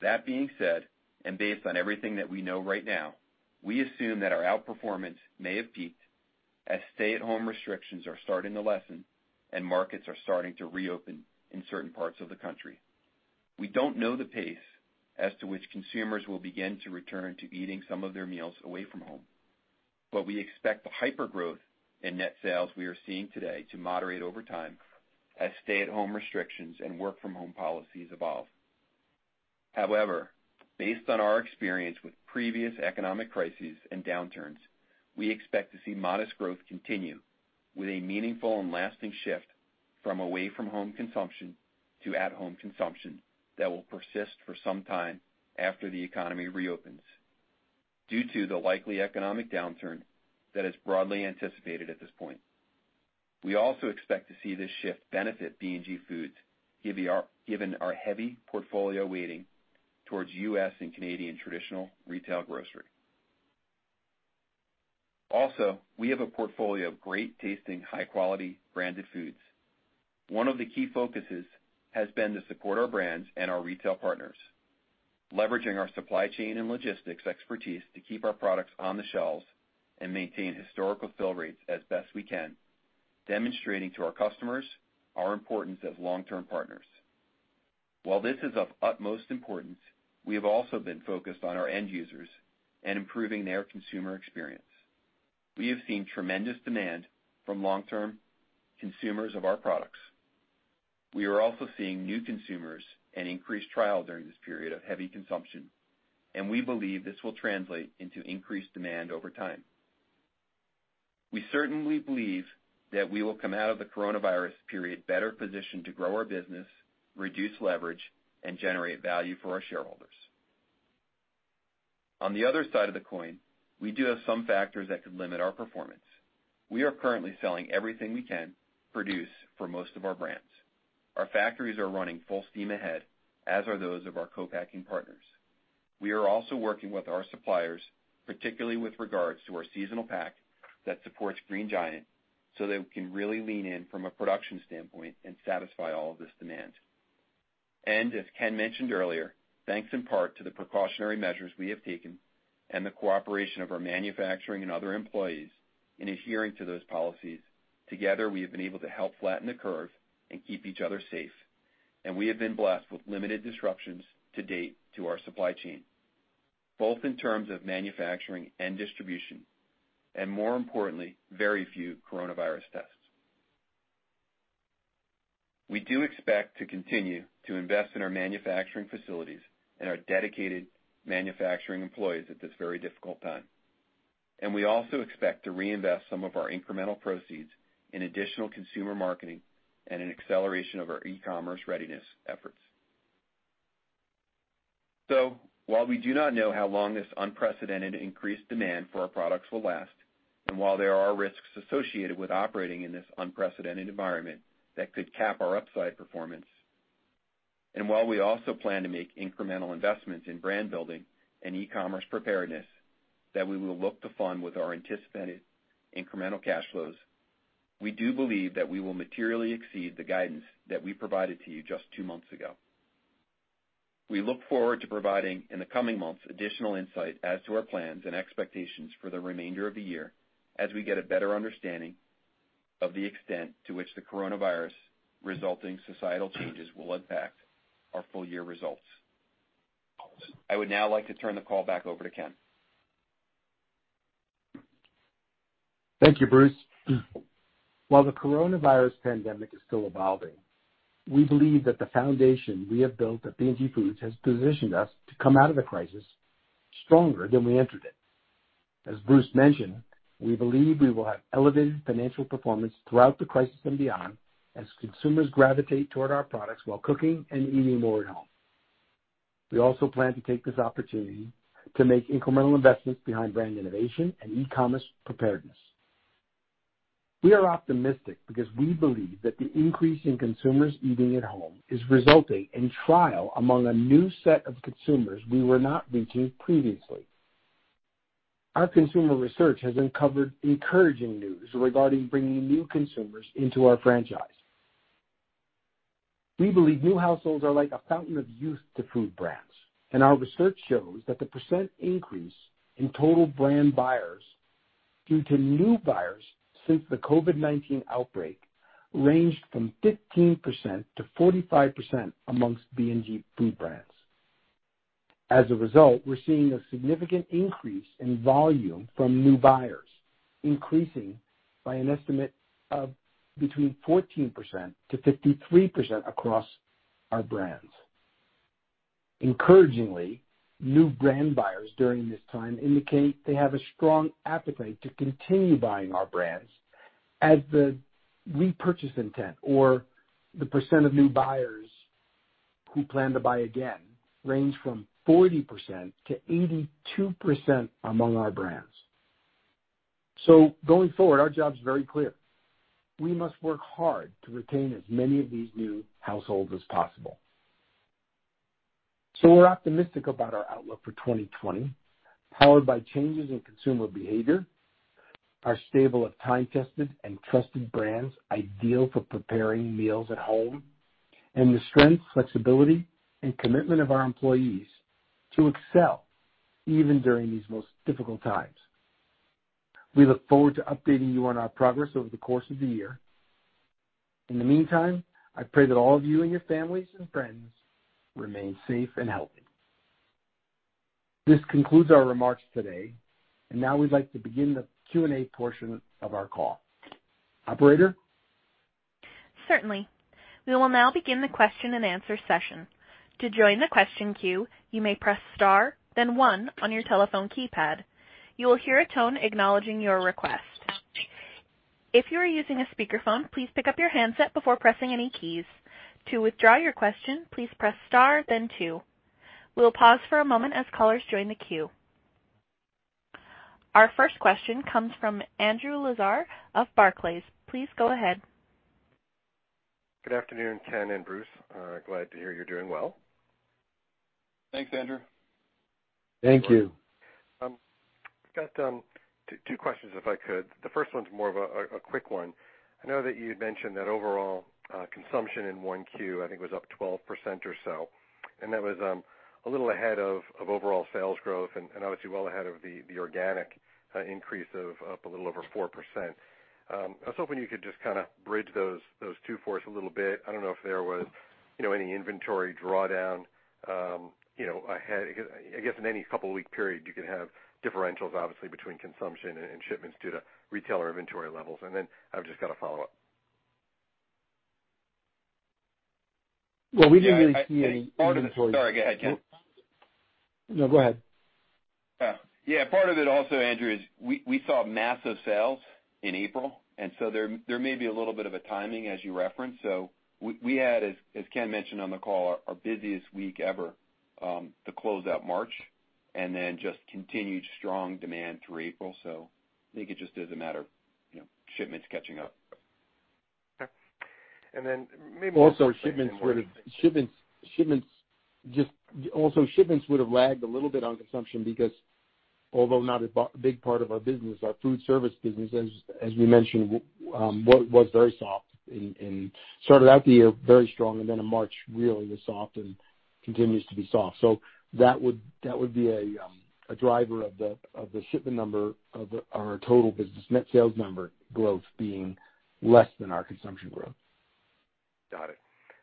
That being said, and based on everything that we know right now, we assume that our outperformance may have peaked as stay-at-home restrictions are starting to lessen and markets are starting to reopen in certain parts of the country. We don't know the pace as to which consumers will begin to return to eating some of their meals away from home, but we expect the hyper-growth in net sales we are seeing today to moderate over time as stay-at-home restrictions and work-from-home policies evolve. However, based on our experience with previous economic crises and downturns, we expect to see modest growth continue with a meaningful and lasting shift from away-from-home consumption to at-home consumption that will persist for some time after the economy reopens due to the likely economic downturn that is broadly anticipated at this point. We also expect to see this shift benefit B&G Foods given our heavy portfolio weighting towards U.S. and Canadian traditional retail grocery. Also, we have a portfolio of great-tasting, high-quality branded foods. One of the key focuses has been to support our brands and our retail partners, leveraging our supply chain and logistics expertise to keep our products on the shelves and maintain historical fill rates as best we can, demonstrating to our customers our importance as long-term partners. While this is of utmost importance, we have also been focused on our end users and improving their consumer experience. We have seen tremendous demand from long-term consumers of our products. We are also seeing new consumers and increased trial during this period of heavy consumption, and we believe this will translate into increased demand over time. We certainly believe that we will come out of the coronavirus period better positioned to grow our business, reduce leverage, and generate value for our shareholders. On the other side of the coin, we do have some factors that could limit our performance. We are currently selling everything we can produce for most of our brands. Our factories are running full steam ahead, as are those of our co-packing partners. We are also working with our suppliers, particularly with regards to our seasonal pack that supports Green Giant, so that we can really lean in from a production standpoint and satisfy all of this demand. As Ken mentioned earlier, thanks in part to the precautionary measures we have taken and the cooperation of our manufacturing and other employees in adhering to those policies, together, we have been able to help flatten the curve and keep each other safe, and we have been blessed with limited disruptions to date to our supply chain, both in terms of manufacturing and distribution, and more importantly, very few coronavirus tests. We do expect to continue to invest in our manufacturing facilities and our dedicated manufacturing employees at this very difficult time, and we also expect to reinvest some of our incremental proceeds in additional consumer marketing and an acceleration of our e-commerce readiness efforts. While we do not know how long this unprecedented increased demand for our products will last, and while there are risks associated with operating in this unprecedented environment that could cap our upside performance, and while we also plan to make incremental investments in brand building and e-commerce preparedness that we will look to fund with our anticipated incremental cash flows, we do believe that we will materially exceed the guidance that we provided to you just two months ago. We look forward to providing, in the coming months, additional insight as to our plans and expectations for the remainder of the year as we get a better understanding of the extent to which the coronavirus resulting societal changes will impact our full-year results. I would now like to turn the call back over to Ken. Thank you, Bruce. While the coronavirus pandemic is still evolving, we believe that the foundation we have built at B&G Foods has positioned us to come out of the crisis stronger than we entered it. As Bruce mentioned, we believe we will have elevated financial performance throughout the crisis and beyond as consumers gravitate toward our products while cooking and eating more at home. We also plan to take this opportunity to make incremental investments behind brand innovation and e-commerce preparedness. We are optimistic because we believe that the increase in consumers eating at home is resulting in trial among a new set of consumers we were not reaching previously. Our consumer research has uncovered encouraging news regarding bringing new consumers into our franchise. We believe new households are like a fountain of youth to food brands, and our research shows that the percent increase in total brand buyers due to new buyers since the COVID-19 outbreak ranged from 15%-45% amongst B&G Foods brands. As a result, we're seeing a significant increase in volume from new buyers, increasing by an estimate of between 14%-53% across our brands. Encouragingly, new brand buyers during this time indicate they have a strong appetite to continue buying our brands as the repurchase intent or the percent of new buyers who plan to buy again range from 40%-82% among our brands. Going forward, our job is very clear. We must work hard to retain as many of these new households as possible. We're optimistic about our outlook for 2020, powered by changes in consumer behavior, our stable of time-tested and trusted brands ideal for preparing meals at home, and the strength, flexibility, and commitment of our employees to excel even during these most difficult times. We look forward to updating you on our progress over the course of the year. In the meantime, I pray that all of you and your families and friends remain safe and healthy. This concludes our remarks today, and now we'd like to begin the Q&A portion of our call. Operator? Certainly. We will now begin the question and answer session. To join the question queue, you may press star then one on your telephone keypad. You will hear a tone acknowledging your request. If you are using a speakerphone, please pick up your handset before pressing any keys. To withdraw your question, please press star then two. We'll pause for a moment as callers join the queue. Our first question comes from Andrew Lazar of Barclays. Please go ahead. Good afternoon, Ken and Bruce. Glad to hear you're doing well. Thanks, Andrew. Thank you. I've got two questions, if I could. The first one's more of a quick one. I know that you had mentioned that overall consumption in 1Q, I think, was up 12% or so, and that was a little ahead of overall sales growth and obviously well ahead of the organic increase of up a little over 4%. I was hoping you could just kind of bridge those two for us a little bit. I don't know if there was any inventory drawdown ahead. I guess in any couple-week period, you could have differentials, obviously, between consumption and shipments due to retailer inventory levels. I've just got a follow-up. Well, we didn't really see any inventory. Sorry, go ahead, Ken. No, go ahead. Yeah. Part of it also, Andrew, is we saw massive sales in April. There may be a little bit of a timing as you referenced. We had, as Ken mentioned on the call, our busiest week ever to close out March and then just continued strong demand through April. I think it just is a matter of shipments catching up. Okay. Then maybe shipments would have lagged a little bit on consumption because although not a big part of our business, our food service business, as we mentioned, was very soft and started out the year very strong and then in March really was soft and continues to be soft. That would be a driver of the shipment number of our total business net sales number growth being less than our consumption growth. Got it.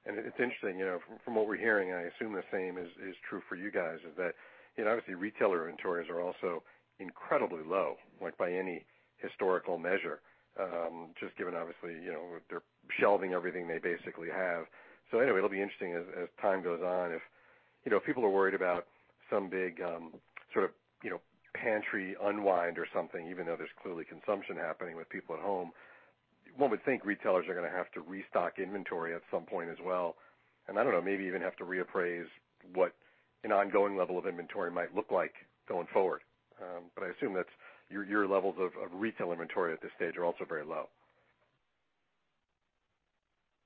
It's interesting, from what we're hearing, I assume the same is true for you guys, is that obviously retailer inventories are also incredibly low by any historical measure, just given obviously they're shelving everything they basically have. Anyway, it'll be interesting as time goes on if people are worried about some big sort of pantry unwind or something, even though there's clearly consumption happening with people at home. One would think retailers are going to have to restock inventory at some point as well, and I don't know, maybe even have to reappraise what an ongoing level of inventory might look like going forward. I assume that your levels of retail inventory at this stage are also very low.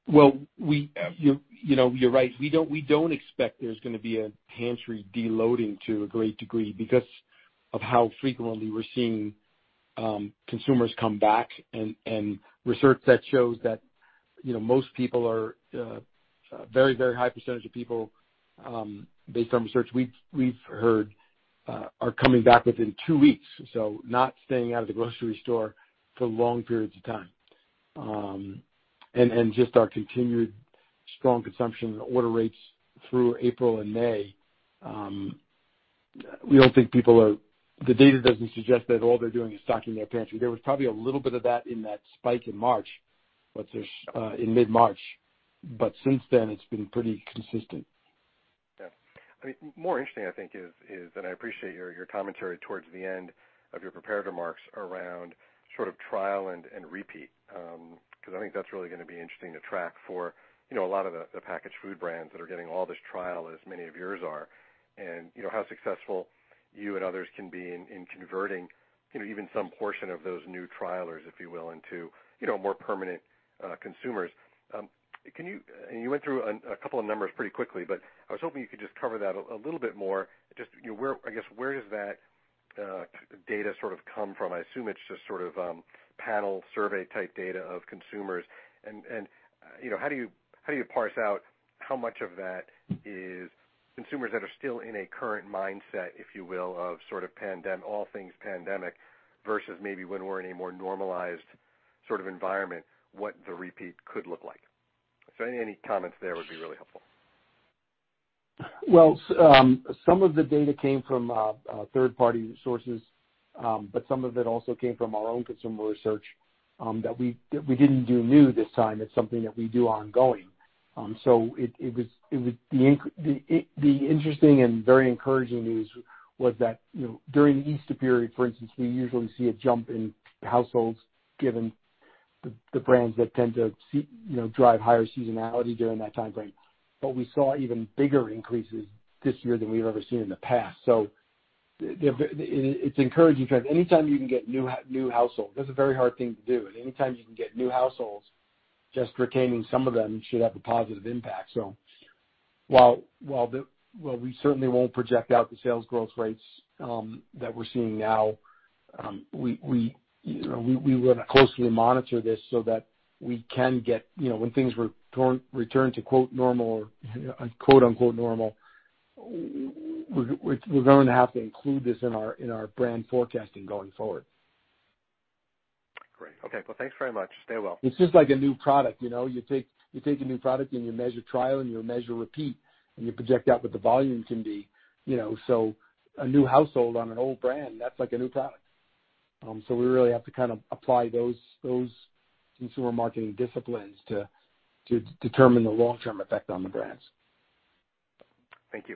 Well, you're right. We don't expect there's going to be a pantry deloading to a great degree because of how frequently we're seeing consumers come back and research that shows that most people, a very high percentage of people, based on research we've heard, are coming back within two weeks. Not staying out of the grocery store for long periods of time. Just our continued strong consumption order rates through April and May. The data doesn't suggest that all they're doing is stocking their pantry. There was probably a little bit of that in that spike in March, in mid-March, but since then it's been pretty consistent. Yeah. More interesting, I think is I appreciate your commentary towards the end of your prepared remarks around sort of trial and repeat. I think that's really going to be interesting to track for a lot of the packaged food brands that are getting all this trial, as many of yours are, and how successful you and others can be in converting even some portion of those new trialers, if you will, into more permanent consumers. You went through a couple of numbers pretty quickly. I was hoping you could just cover that a little bit more. Just I guess, where does that data sort of come from? I assume it's just sort of panel survey type data of consumers. How do you parse out how much of that is consumers that are still in a current mindset, if you will, of sort of all things pandemic versus maybe when we're in a more normalized sort of environment, what the repeat could look like? If any comments there would be really helpful. Some of the data came from third-party sources. Some of it also came from our own consumer research that we didn't do new this time. It's something that we do ongoing. The interesting and very encouraging news was that during the Easter period, for instance, we usually see a jump in households given the brands that tend to drive higher seasonality during that time frame. We saw even bigger increases this year than we've ever seen in the past. It's encouraging because anytime you can get new households, that's a very hard thing to do. Anytime you can get new households, just retaining some of them should have a positive impact. While we certainly won't project out the sales growth rates that we're seeing now, we will closely monitor this so that when things return to, quote, "normal," we're going to have to include this in our brand forecasting going forward. Great. Okay. Well, thanks very much. Stay well. It's just like a new product. You take a new product, and you measure trial, and you measure repeat, and you project out what the volume can be. A new household on an old brand, that's like a new product. We really have to kind of apply those consumer marketing disciplines to determine the long-term effect on the brands. Thank you.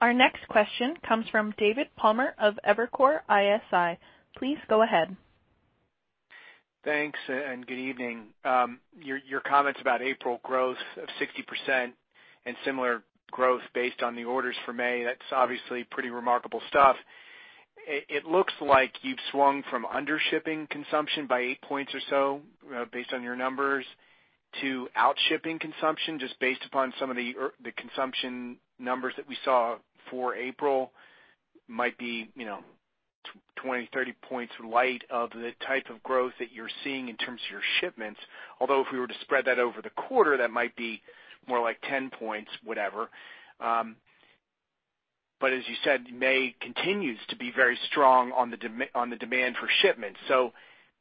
Our next question comes from David Palmer of Evercore ISI. Please go ahead. Thanks, good evening. Your comments about April growth of 60% and similar growth based on the orders for May, that's obviously pretty remarkable stuff. It looks like you've swung from under-shipping consumption by eight points or so, based on your numbers, to out-shipping consumption, just based upon some of the consumption numbers that we saw for April might be 20, 30 points light of the type of growth that you're seeing in terms of your shipments. Although, if we were to spread that over the quarter, that might be more like 10 points, whatever. As you said, May continues to be very strong on the demand for shipments.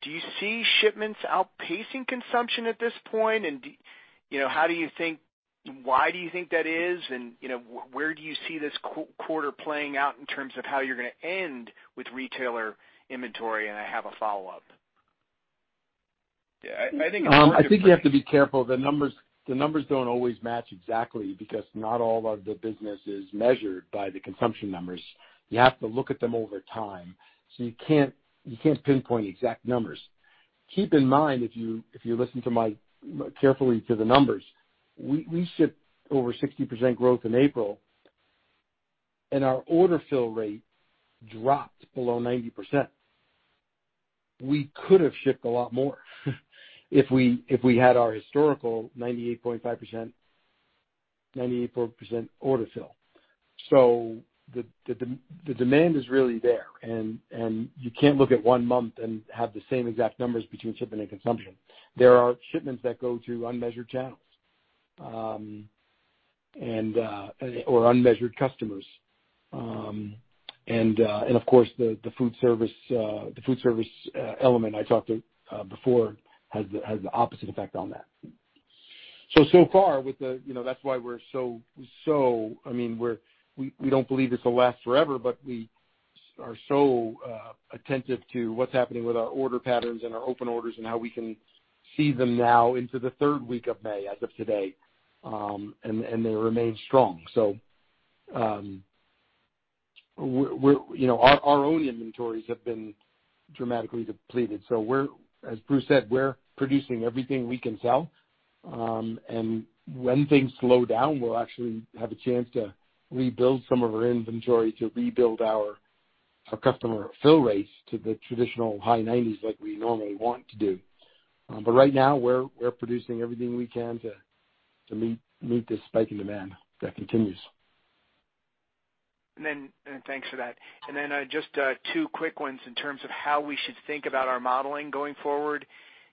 Do you see shipments outpacing consumption at this point? Why do you think that is? Where do you see this quarter playing out in terms of how you're going to end with retailer inventory? I have a follow-up. I think you have to be careful. The numbers don't always match exactly because not all of the business is measured by the consumption numbers. You have to look at them over time, so you can't pinpoint exact numbers. Keep in mind, if you listen carefully to the numbers, we shipped over 60% growth in April, and our order fill rate dropped below 90%. We could have shipped a lot more if we had our historical 98.5%, 94% order fill. The demand is really there, and you can't look at one month and have the same exact numbers between shipment and consumption. There are shipments that go through unmeasured channels or unmeasured customers. Of course, the food service element I talked before has the opposite effect on that. So far, that's why we don't believe this will last forever, but we are so attentive to what's happening with our order patterns and our open orders and how we can see them now into the third week of May, as of today, and they remain strong. Our own inventories have been dramatically depleted. As Bruce said, we're producing everything we can sell. When things slow down, we'll actually have a chance to rebuild some of our inventory to rebuild our customer fill rates to the traditional high 90s like we normally want to do. Right now, we're producing everything we can to meet this spike in demand that continues. Thanks for that. Just two quick ones in terms of how we should think about our modeling going forward.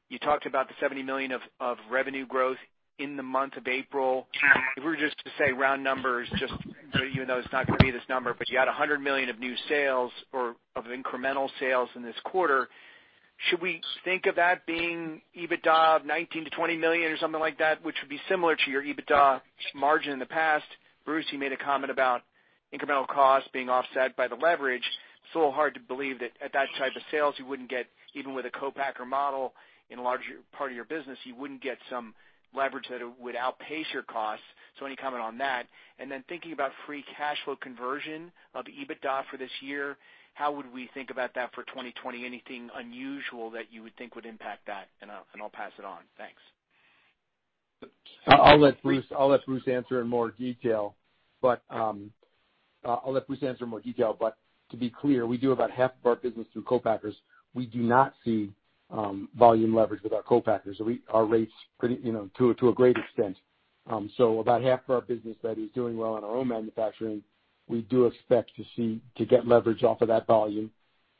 You talked about the $70 million of revenue growth in the month of April. If we were just to say round numbers, just even though it's not going to be this number, but you had $100 million of new sales or of incremental sales in this quarter, should we think of that being EBITDA of $19 million-$20 million or something like that, which would be similar to your EBITDA margin in the past? Bruce, you made a comment about incremental costs being offset by the leverage. It's a little hard to believe that at that type of sales, you wouldn't get, even with a co-packer model in a large part of your business, you wouldn't get some leverage that would outpace your costs. Any comment on that? Thinking about free cash flow conversion of EBITDA for this year, how would we think about that for 2020? Anything unusual that you would think would impact that? I'll pass it on. Thanks. I'll let Bruce answer in more detail. To be clear, we do about half of our business through co-packers. We do not see volume leverage with our co-packers, so our rates to a great extent. About half of our business that is doing well on our own manufacturing, we do expect to get leverage off of that volume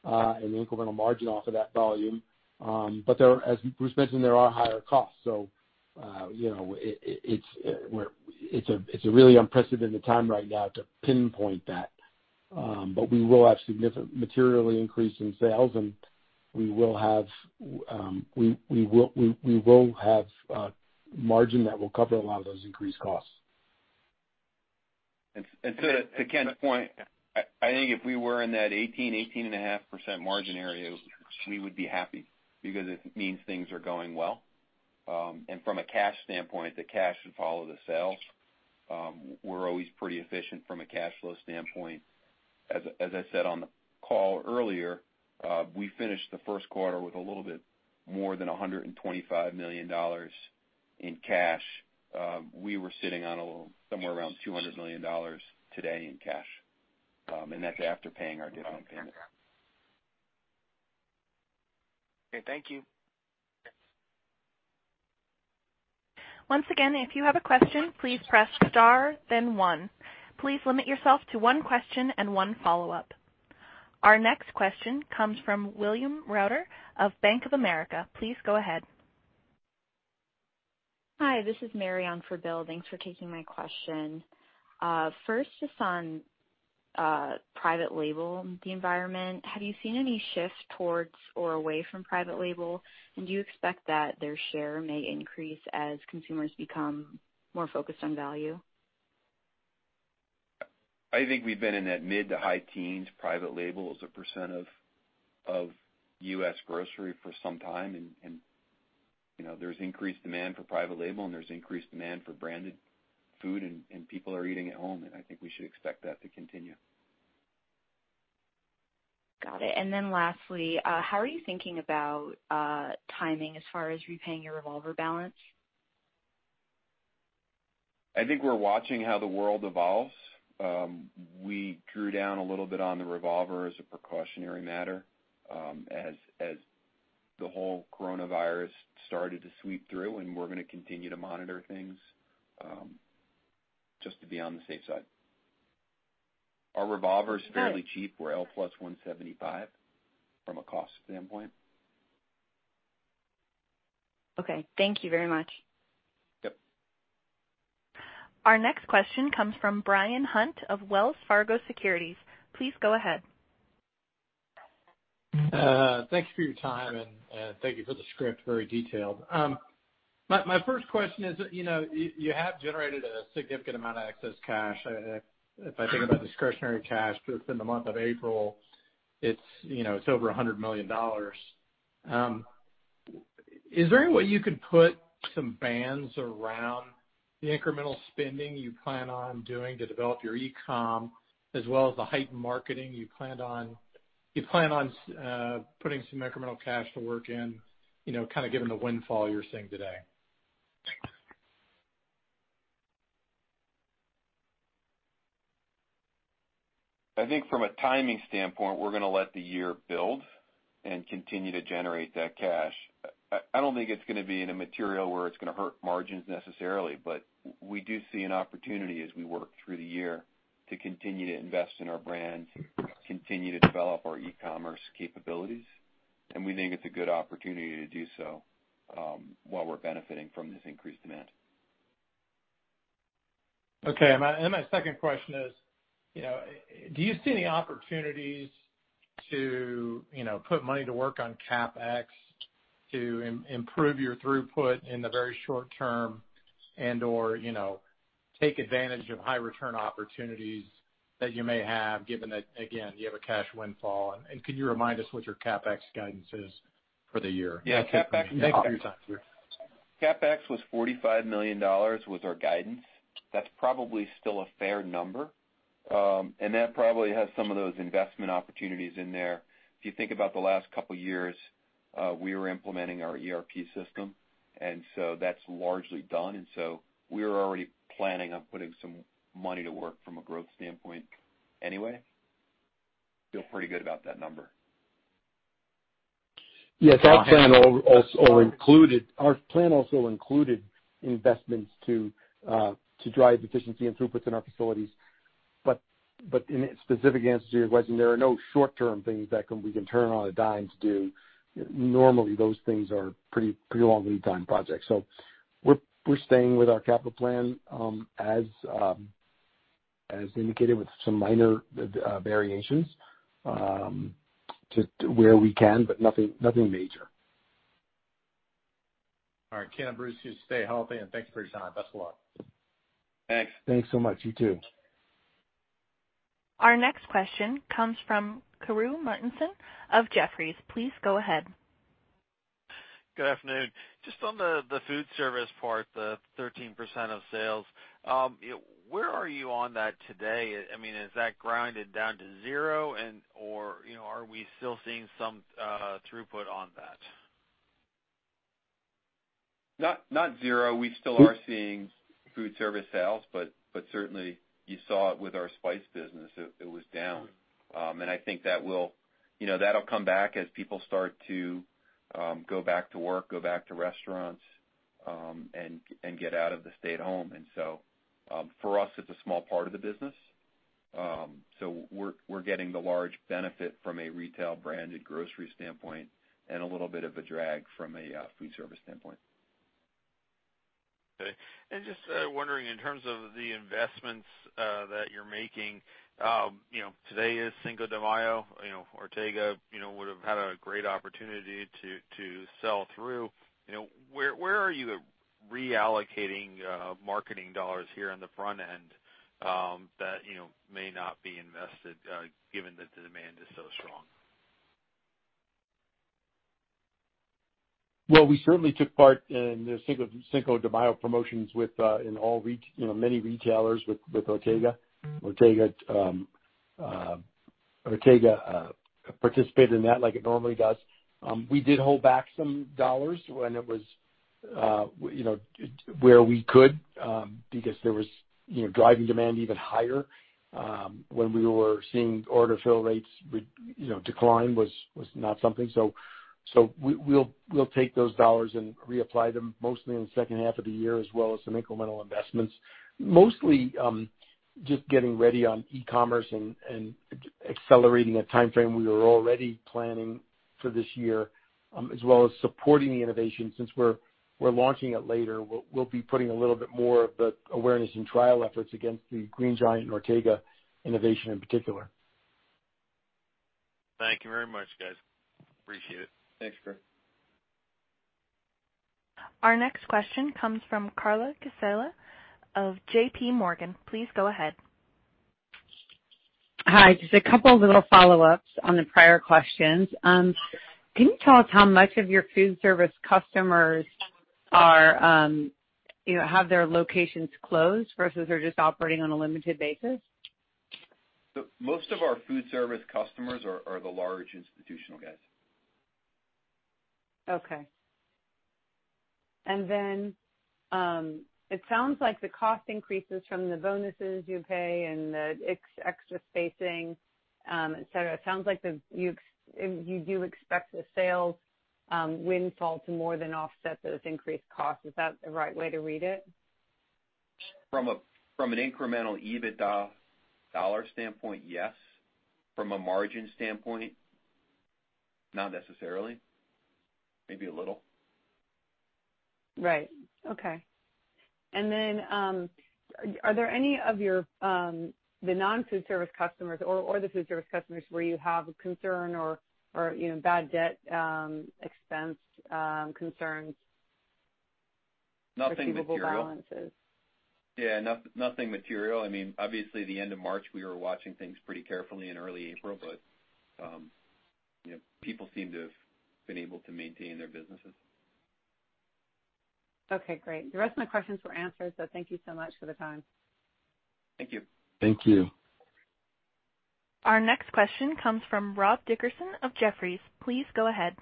and incremental margin off of that volume. As Bruce mentioned, there are higher costs. It's a really unprecedented time right now to pinpoint that. We will have significant materially increase in sales. We will have a margin that will cover a lot of those increased costs. To Ken's point, I think if we were in that 18%, 18.5% margin area, we would be happy because it means things are going well. From a cash standpoint, the cash should follow the sales. We're always pretty efficient from a cash flow standpoint. As I said on the call earlier, we finished the first quarter with a little bit more than $125 million in cash. We were sitting on somewhere around $200 million today in cash, and that's after paying our dividend. Okay. Thank you. Once again, if you have a question, please press star, then one. Please limit yourself to one question and one follow-up. Our next question comes from William Reuter of Bank of America. Please go ahead. Hi, this is Marianne for Bill. Thanks for taking my question. Just on private label, the environment. Have you seen any shift towards or away from private label? Do you expect that their share may increase as consumers become more focused on value? I think we've been in that mid to high teens private label as a percent of U.S. grocery for some time. There's increased demand for private label, and there's increased demand for branded food, and people are eating at home, and I think we should expect that to continue. Got it. Then lastly, how are you thinking about timing as far as repaying your revolver balance? I think we're watching how the world evolves. We drew down a little bit on the revolver as a precautionary matter as the whole coronavirus started to sweep through. We're going to continue to monitor things just to be on the safe side. Our revolver is fairly cheap. We're L plus 175 from a cost standpoint. Okay. Thank you very much. Yep. Our next question comes from Bryan Hunt of Wells Fargo Securities. Please go ahead. Thanks for your time. Thank you for the script. Very detailed. My first question is, you have generated a significant amount of excess cash. If I think about discretionary cash just in the month of April, it's over $100 million. Is there any way you could put some bands around the incremental spending you plan on doing to develop your e-com as well as the heightened marketing you plan on putting some incremental cash to work in, kind of given the windfall you're seeing today? I think from a timing standpoint, we're going to let the year build and continue to generate that cash. I don't think it's going to be in a material where it's going to hurt margins necessarily, but we do see an opportunity as we work through the year to continue to invest in our brands, continue to develop our e-commerce capabilities, and we think it's a good opportunity to do so while we're benefiting from this increased demand. Okay. My second question is, do you see any opportunities to put money to work on CapEx to improve your throughput in the very short term and/or take advantage of high return opportunities that you may have, given that, again, you have a cash windfall, and could you remind us what your CapEx guidance is for the year? Yeah. CapEx was $45 million, was our guidance. That's probably still a fair number. That probably has some of those investment opportunities in there. If you think about the last couple of years, we were implementing our ERP system, and so that's largely done, and so we were already planning on putting some money to work from a growth standpoint anyway. We feel pretty good about that number. Yes. Our plan also included investments to drive efficiency and throughput in our facilities. In a specific answer to your question, there are no short-term things that we can turn on a dime to do. Normally, those things are pretty long lead time projects. We're staying with our capital plan, as indicated, with some minor variations, to where we can, but nothing major. All right. Ken, Bruce, you stay healthy, and thanks for your time. Best of luck. Thanks. Thanks so much. You, too. Our next question comes from Karru Martinson of Jefferies. Please go ahead. Good afternoon. Just on the food service part, the 13% of sales, where are you on that today? Has that grinded down to zero, and/or are we still seeing some throughput on that? Not zero. We still are seeing food service sales, but certainly you saw it with our spice business. It was down. I think that'll come back as people start to go back to work, go back to restaurants, and get out of the stay at home. For us, it's a small part of the business. We're getting the large benefit from a retail branded grocery standpoint and a little bit of a drag from a food service standpoint. Okay. Just wondering, in terms of the investments that you're making, today is Cinco de Mayo. Ortega would have had a great opportunity to sell through. Where are you reallocating marketing dollars here on the front end that may not be invested, given that the demand is so strong? Well, we certainly took part in the Cinco de Mayo promotions with many retailers with Ortega. Ortega participated in that like it normally does. We did hold back some dollars where we could because there was driving demand even higher when we were seeing order fill rates decline was not something. We'll take those dollars and reapply them mostly in the second half of the year, as well as some incremental investments, mostly just getting ready on e-commerce and accelerating a timeframe we were already planning for this year, as well as supporting the innovation. Since we're launching it later, we'll be putting a little bit more of the awareness and trial efforts against the Green Giant and Ortega innovation in particular. Thank you very much, guys. Appreciate it. Thanks, Karru. Our next question comes from Carla Casella of JPMorgan. Please go ahead. Hi. Just a couple little follow-ups on the prior questions. Can you tell us how much of your food service customers have their locations closed versus are just operating on a limited basis? Most of our food service customers are the large institutional guys. Okay. It sounds like the cost increases from the bonuses you pay and the extra spacing, et cetera, it sounds like you do expect the sales windfall to more than offset those increased costs. Is that the right way to read it? From an incremental EBITDA dollar standpoint, yes. From a margin standpoint, not necessarily. Maybe a little. Right. Okay. Are there any of the non-food service customers or the food service customers where you have a concern or bad debt expense concerns? Nothing material. receivables? Yeah, nothing material. Obviously, the end of March, we were watching things pretty carefully in early April, but people seem to have been able to maintain their businesses. Okay, great. The rest of my questions were answered, so thank you so much for the time. Thank you. Thank you. Our next question comes from Rob Dickerson of Jefferies. Please go ahead.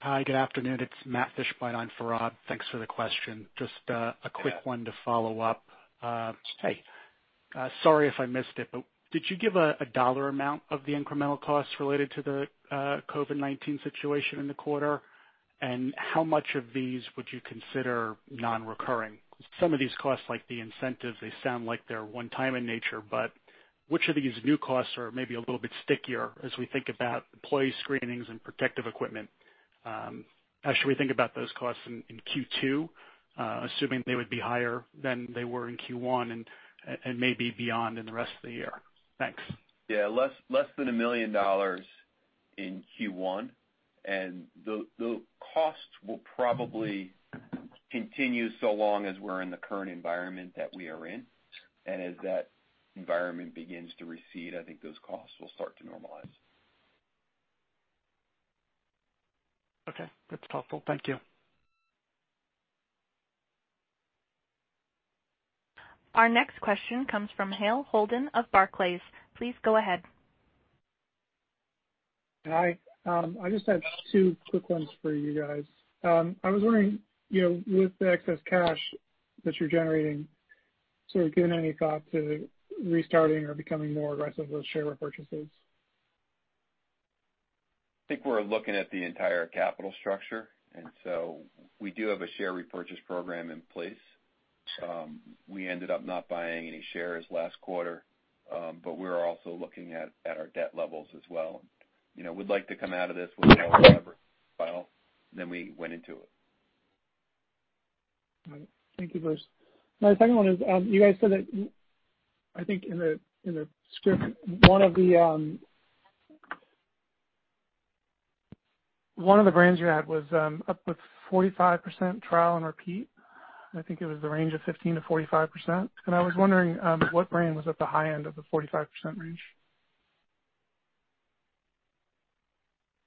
Hi, good afternoon. It's Matt Fishbein on for Rob. Thanks for the question. Just a quick one to follow up. Hey. Sorry if I missed it, but did you give a dollar amount of the incremental costs related to the COVID-19 situation in the quarter? How much of these would you consider non-recurring? Some of these costs, like the incentives, they sound like they're one time in nature, but which of these new costs are maybe a little bit stickier as we think about employee screenings and protective equipment? How should we think about those costs in Q2, assuming they would be higher than they were in Q1 and maybe beyond in the rest of the year? Thanks. Yeah, less than $1 million in Q1. The cost will probably continue so long as we're in the current environment that we are in. As that environment begins to recede, I think those costs will start to normalize. Okay. That's helpful. Thank you. Our next question comes from Hale Holden of Barclays. Please go ahead. Hi. I just had two quick ones for you guys. I was wondering, with the excess cash that you're generating, have you given any thought to restarting or becoming more aggressive with share repurchases? I think we're looking at the entire capital structure. We do have a share repurchase program in place. We ended up not buying any shares last quarter. We're also looking at our debt levels as well. We'd like to come out of this with more lever than we went into it. All right. Thank you, Bruce. My second one is, you guys said that, I think in the script, one of the brands you had was up with 45% trial and repeat. I think it was the range of 15%-45%. I was wondering what brand was at the high end of the 45% range.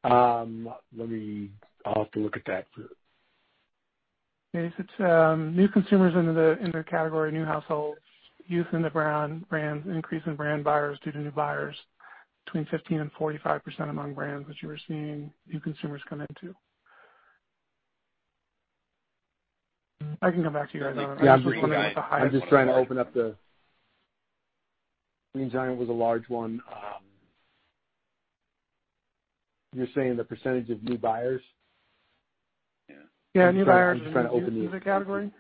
I'll have to look at that. Okay. If it's new consumers in the category, new households, youth in the brands, increase in brand buyers due to new buyers between 15% and 45% among brands that you were seeing new consumers come into. I can come back to you guys on- I'm just trying to open up the Green Giant was a large one. You're saying the percentage of new buyers? Yeah. New buyers in the new category.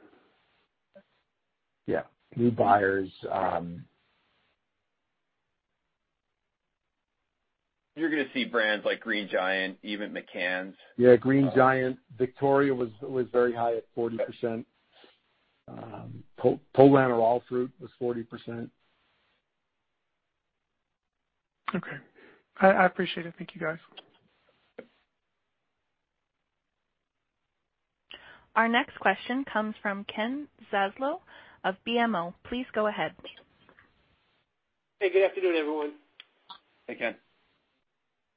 Yeah. New buyers. You're going to see brands like Green Giant, even McCann's. Yeah, Green Giant. Victoria was very high at 40%. Polaner All Fruit was 40%. Okay. I appreciate it. Thank you, guys. Our next question comes from Ken Zaslow of BMO. Please go ahead. Hey, good afternoon, everyone. Hey, Ken.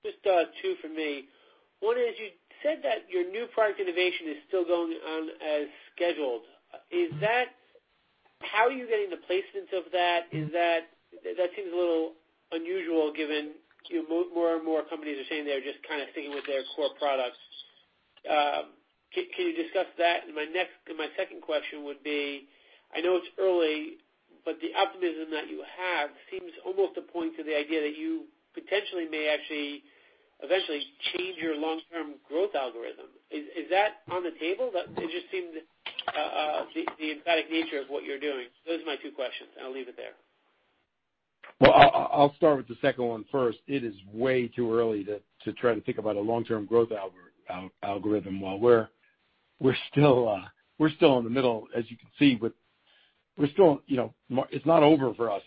Just two from me. One is you said that your new product innovation is still going on as scheduled. How are you getting the placements of that? That seems a little unusual given more and more companies are saying they're just sticking with their core products. Can you discuss that? My second question would be, I know it's early, but the optimism that you have seems almost to point to the idea that you potentially may actually eventually change your long-term growth algorithm. Is that on the table? That just seemed the emphatic nature of what you're doing. Those are my two questions, and I'll leave it there. Well, I'll start with the second one first. It is way too early to try to think about a long-term growth algorithm while we're still in the middle, as you can see. It's not over for us.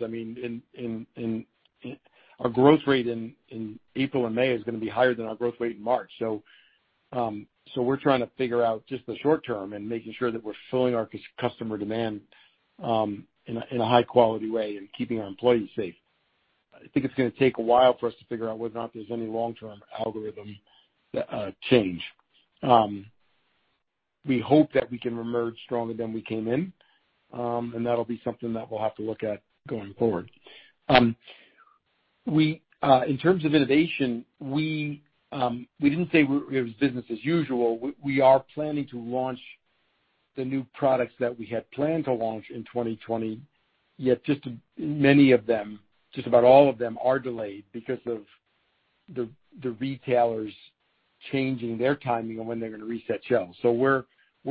Our growth rate in April and May is going to be higher than our growth rate in March. We're trying to figure out just the short term and making sure that we're filling our customer demand in a high-quality way and keeping our employees safe. I think it's going to take a while for us to figure out whether or not there's any long-term algorithm change. We hope that we can reemerge stronger than we came in. That'll be something that we'll have to look at going forward. In terms of innovation, we didn't say it was business as usual. We are planning to launch the new products that we had planned to launch in 2020, yet just many of them, just about all of them are delayed because of the retailers changing their timing on when they're going to reset shelves. We're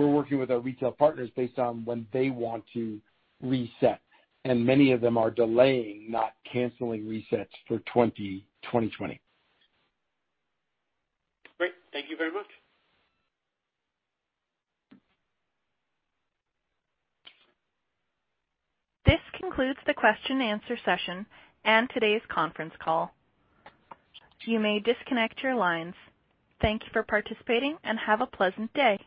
working with our retail partners based on when they want to reset, and many of them are delaying, not canceling resets for 2020. Great. Thank you very much. This concludes the question and answer session and today's conference call. You may disconnect your lines. Thank you for participating, and have a pleasant day.